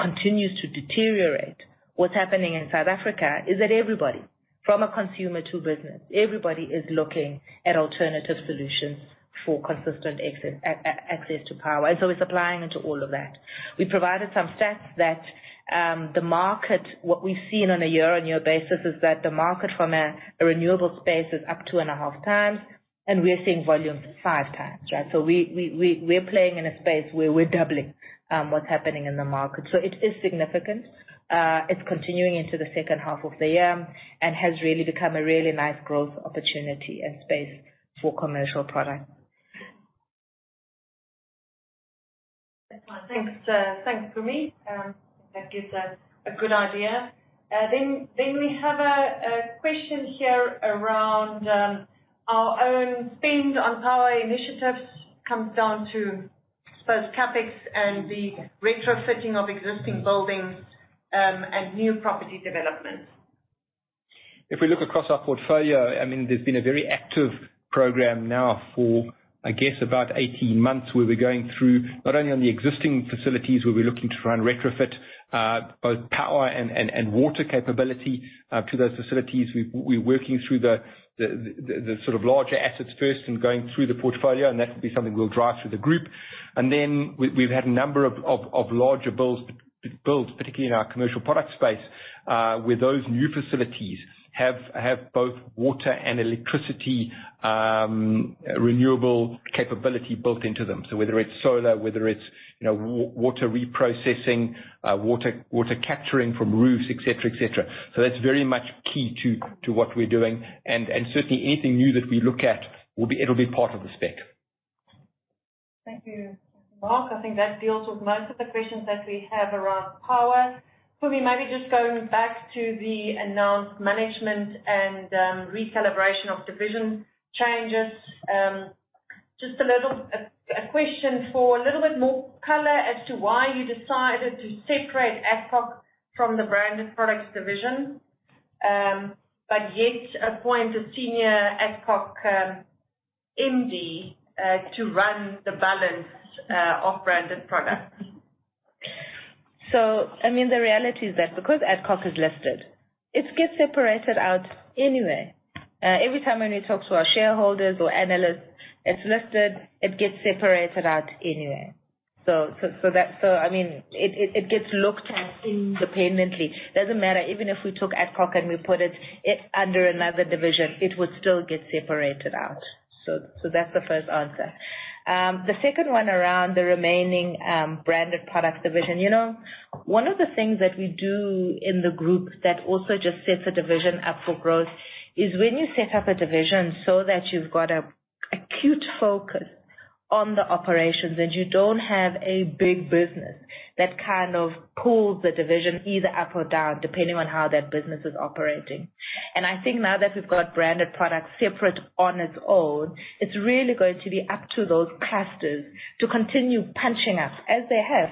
continues to deteriorate, what's happening in South Africa is that everybody, from a consumer to business, everybody is looking at alternative solutions for consistent access to power. We're supplying into all of that. We provided some stats that the market, what we've seen on a year-on-year basis is that the market from a renewable space is up 2.5x, and we're seeing volumes 5x, right? We're playing in a space where we're doubling what's happening in the market. It is significant. It's continuing into the second half of the year and has really become a really nice growth opportunity and space for Commercial Products. Thanks, Mpumi. That gives a good idea. We have a question here around our own spend on power initiatives comes down to both CapEx and the retrofitting of existing buildings and new property developments. We look across our portfolio there's been a very active program now for, I guess about 18 months, where we're going through not only on the existing facilities, where we're looking to try and retrofit both power and water capability to those facilities. We're working through the sort of larger assets first and going through the portfolio, that will be something we'll drive through the group. Then we've had a number of larger builds, particularly in our Commercial Product space, where those new facilities have both water and electricity renewable capability built into them. Whether it's solar, whether it's water reprocessing, water capturing from roofs, et cetera. That's very much key to what we're doing. Certainly, anything new that we look at, it'll be part of the spec. Thank you, Mark. I think that deals with most of the questions that we have around power. Mpumi Madisa, maybe just going back to the announced management and recalibration of division changes. Just a question for a little bit more color as to why you decided to separate Adcock from the Branded Products division, but yet appoint a senior Adcock MD to run the balance of Branded Products. The reality is that because Adcock is listed, it gets separated out anyway. Every time when we talk to our shareholders or analysts, it's listed, it gets separated out anyway. It gets looked at independently. Doesn't matter even if we took Adcock, and we put it under another division, it would still get separated out. That's the first answer. The second one around the remaining Branded Products division. One of the things that we do in the group that also just sets a division up for growth is when you set up a division so that you've got a acute focus on the operations, and you don't have a big business that kind of pulls the division either up or down, depending on how that business is operating. I think now that we've got Bidvest Branded Products separate on its own, it's really going to be up to those clusters to continue punching up, as they have.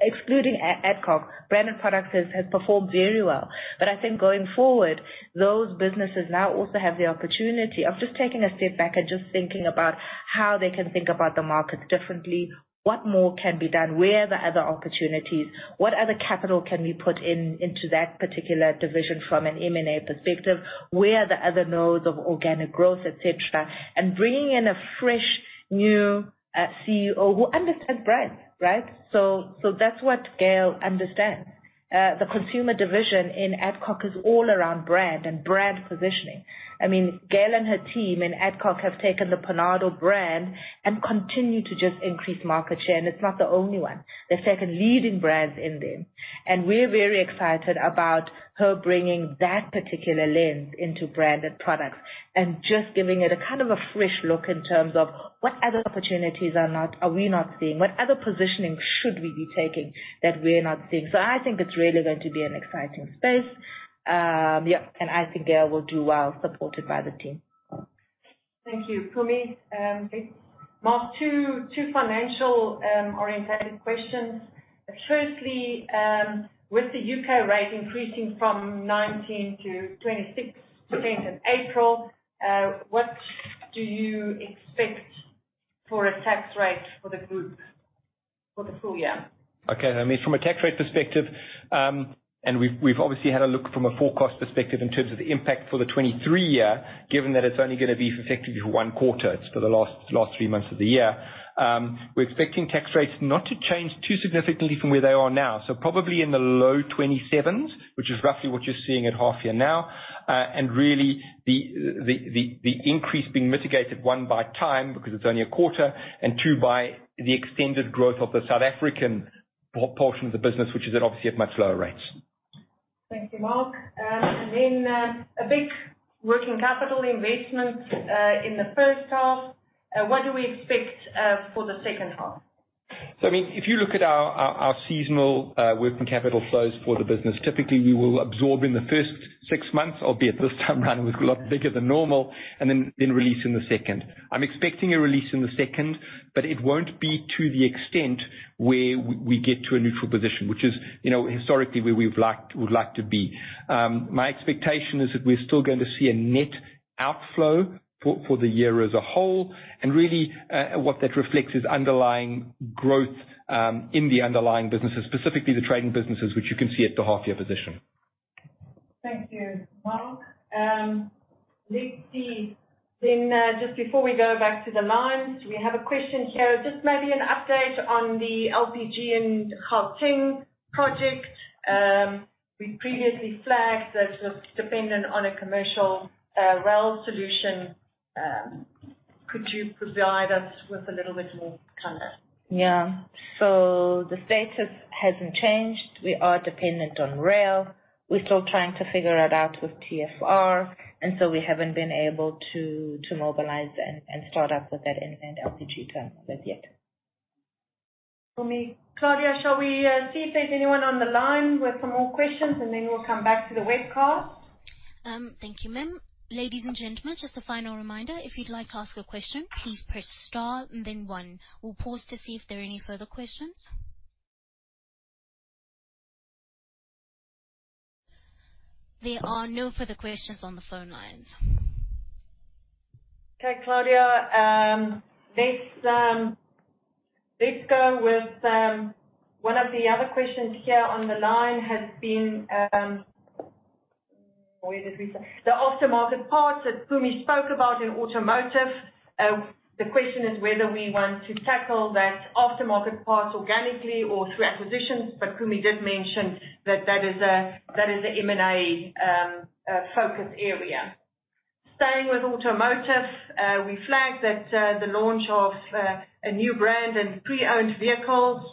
Excluding Adcock Ingram, Bidvest Branded Products has performed very well. I think going forward, those businesses now also have the opportunity of just taking a step back and just thinking about how they can think about the market differently, what more can be done, where are the other opportunities, what other capital can we put into that particular division from an M&A perspective, where are the other nodes of organic growth, et cetera. Bringing in a fresh new CEO who understands brand, right? That's what Gail Solomon understands. The consumer division in Adcock Ingram is all around brand and brand positioning. Gail and her team in Adcock have taken the Panado brand and continued to just increase market share, and it's not the only one. They're second leading brands in there. We're very excited about her bringing that particular lens into Branded Products and just giving it a kind of a fresh look in terms of what other opportunities are we not seeing, what other positioning should we be taking that we're not seeing. I think it's really going to be an exciting space. Gail will do well, supported by the team. Thank you, Mpumi. Mark, two financial, orientated questions. Firstly, with the U.K. rate increasing from 19%-26% in April, what do you expect for a tax rate for the group for the full year? From a tax rate perspective, we've obviously had a look from a forecast perspective in terms of the impact for the 2023 year, given that it's only gonna be effective for 1 quarter. It's for the last 3 months of the year. We're expecting tax rates not to change too significantly from where they are now, so probably in the low 27s, which is roughly what you're seeing at half year now. Really the increase being mitigated, 1, by time, because it's only a quarter, and 2, by the extended growth of the South African portion of the business, which is at, obviously, at much lower rates. Thank you, Mark. A big working capital investment in the first half. What do we expect for the second half? If you look at our seasonal working capital flows for the business, typically we will absorb in the first six months, albeit this time around was a lot bigger than normal, and then release in the second. I'm expecting a release in the second, but it won't be to the extent where we get to a neutral position, which is historically where we've liked, we'd like to be. My expectation is that we're still going to see a net outflow for the year as a whole, and really, what that reflects is underlying growth in the underlying businesses, specifically the trading businesses, which you can see at the half-year position. Thank you, Mark. Let's see then, just before we go back to the lines, we have a question here. Just maybe an update on the LPG and Gauteng project? We previously flagged that was dependent on a Commercial, Rail solution. Could you provide us with a little bit more color? The status hasn't changed. We are dependent on rail. We're still trying to figure it out with TFR, and so we haven't been able to mobilize and start up with that end LPG terminal as yet. Mpumi. Claudia, shall we see if there's anyone on the line with some more questions, and then we'll come back to the webcast? Thank you, ma'am. Ladies and gentlemen, just a final reminder, if you'd like to ask a question, please press star and then one. We'll pause to see if there are any further questions. There are no further questions on the phone lines. Okay, Claudia. Let's go with one of the other questions here on the line has been. Where did we start? The aftermarket parts that Mpumi spoke about in Automotive. The question is whether we want to tackle that aftermarket parts organically or through acquisitions, but Mpumi did mention that that is a M&A focus area. Staying with Automotive, we flagged that the launch of a new brand and pre-owned vehicles.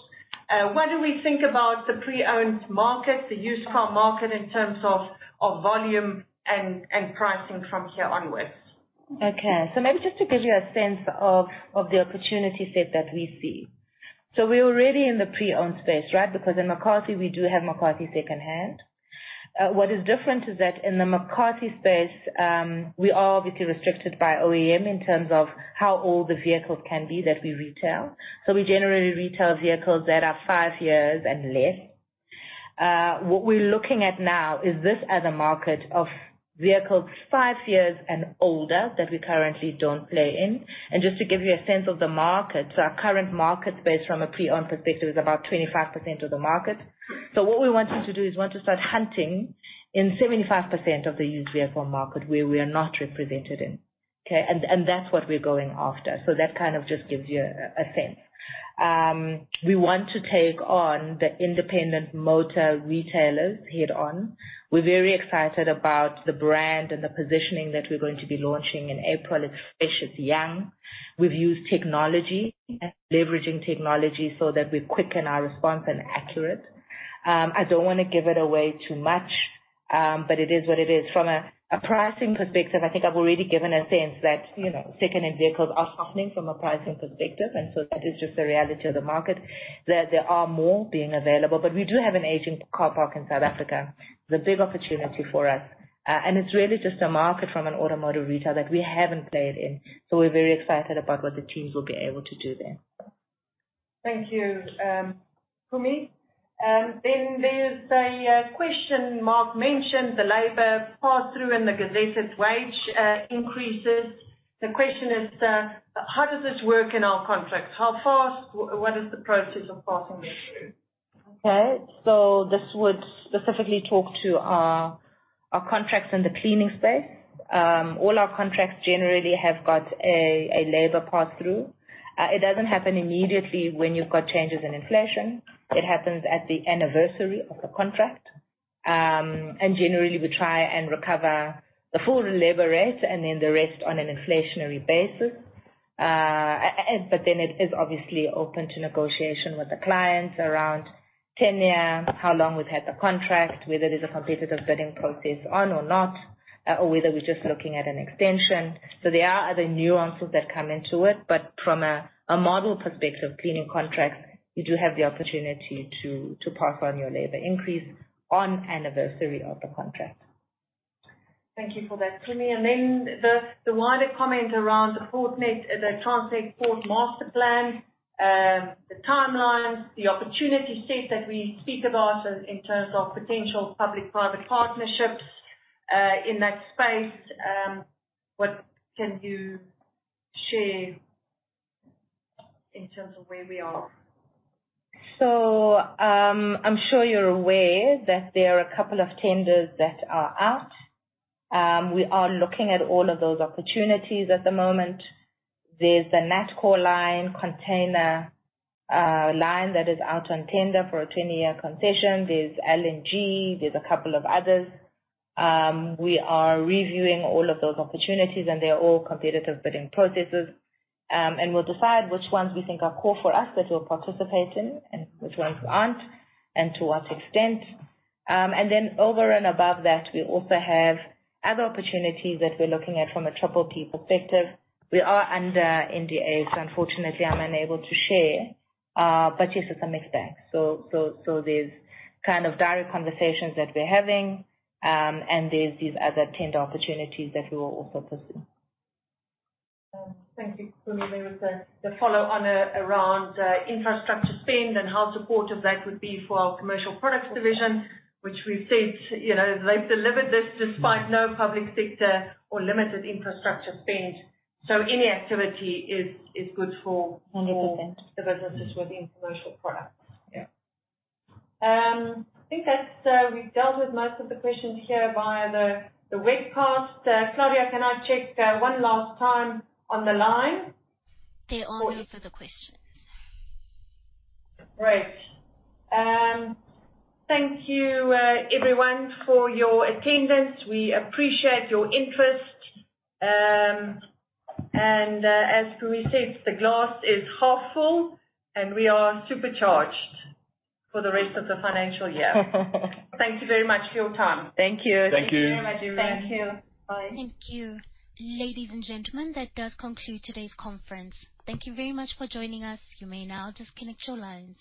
What do we think about the pre-owned market, the used car market in terms of volume and pricing from here onwards? Maybe just to give you a sense of the opportunity set that we see. We're already in the pre-owned space, right? Because in McCarthy we do have McCarthy Second Hand. What is different is that in the McCarthy space, we are obviously restricted by OEM in terms of how old the vehicles can be that we retail. We generally retail vehicles that are 5 years and less. What we're looking at now is this as a market of vehicles 5 years and older that we currently don't play in. Just to give you a sense of the market, our current market based from a pre-owned perspective is about 25% of the market. What we're wanting to do is we want to start hunting in 75% of the used vehicle market where we are not represented in. That's what we're going after. That kind of just gives you a sense. We want to take on the independent motor retailers head-on. We're very excited about the brand and the positioning that we're going to be launching in April. It's fresh, it's young. We've used technology, leveraging technology so that we quicken our response and accurate. I don't wanna give it away too much, but it is what it is. From a pricing perspective, I think I've already given a sense that second-hand vehicles are softening from a pricing perspective, that is just the reality of the market, that there are more being available. We do have an aging car park in South Africa. There's a big opportunity for us. It's really just a market from an automotive retail that we haven't played in. We're very excited about what the teams will be able to do there. Thank you, Mpumi. There's a question Mark mentioned, the labor pass-through and the gazetted wage increases. The question is, how does this work in our contracts? How fast? What is the process of passing this through? This would specifically talk to our contracts in the cleaning space. All our contracts generally have got a labor pass-through. It doesn't happen immediately when you've got changes in inflation. It happens at the anniversary of the contract. Generally we try and recover the full labor rate and then the rest on an inflationary basis. It is obviously open to negotiation with the clients around tenure, how long we've had the contract, whether there's a competitive bidding process on or not, or whether we're just looking at an extension. There are other nuances that come into it, but from a model perspective, cleaning contracts, you do have the opportunity to pass on your labor increase on anniversary of the contract. Thank you for that, Mpumi. Then the wider comment around Portnet, the Transnet Port Master Plan, the timelines, the opportunity set that we speak about in terms of potential public-private partnerships, in that space, what can you share in terms of where we are? I'm sure you're aware that there are a couple of tenders that are out. We are looking at all of those opportunities at the moment. There's the NATCOR line, container, line that is out on tender for a 10-year concession. There's LNG, there's a couple of others. We are reviewing all of those opportunities and they are all competitive bidding processes. We'll decide which ones we think are core for us that we'll participate in, and which ones aren't, and to what extent. Over and above that, we also have other opportunities that we're looking at from a Triple P perspective. We are under NDA, so unfortunately I'm unable to share. Yes, there's some mixed bags. There's direct conversations that we're having, and there's these other tender opportunities that we will also pursue. Thank you, Mpumi. There was the follow on around infrastructure spend and how supportive that would be for our Commercial Products division, which we've said they've delivered this despite no public sector or limited infrastructure spend. Any activity is good for the businesses within Commercial Products. I think that's, we've dealt with most of the questions here via the webcast. Claudia, can I check one last time on the line? There are no further questions. Great. Thank you everyone for your attendance. We appreciate your interest. As Mpumi said, the glass is half full, and we are supercharged for the rest of the financial year. Thank you very much for your time. Thank you. Thank you. Thank you very much, everyone. Thank you. Bye. Thank you. Ladies and gentlemen, that does conclude today's conference. Thank you very much for joining us. You may now disconnect your lines.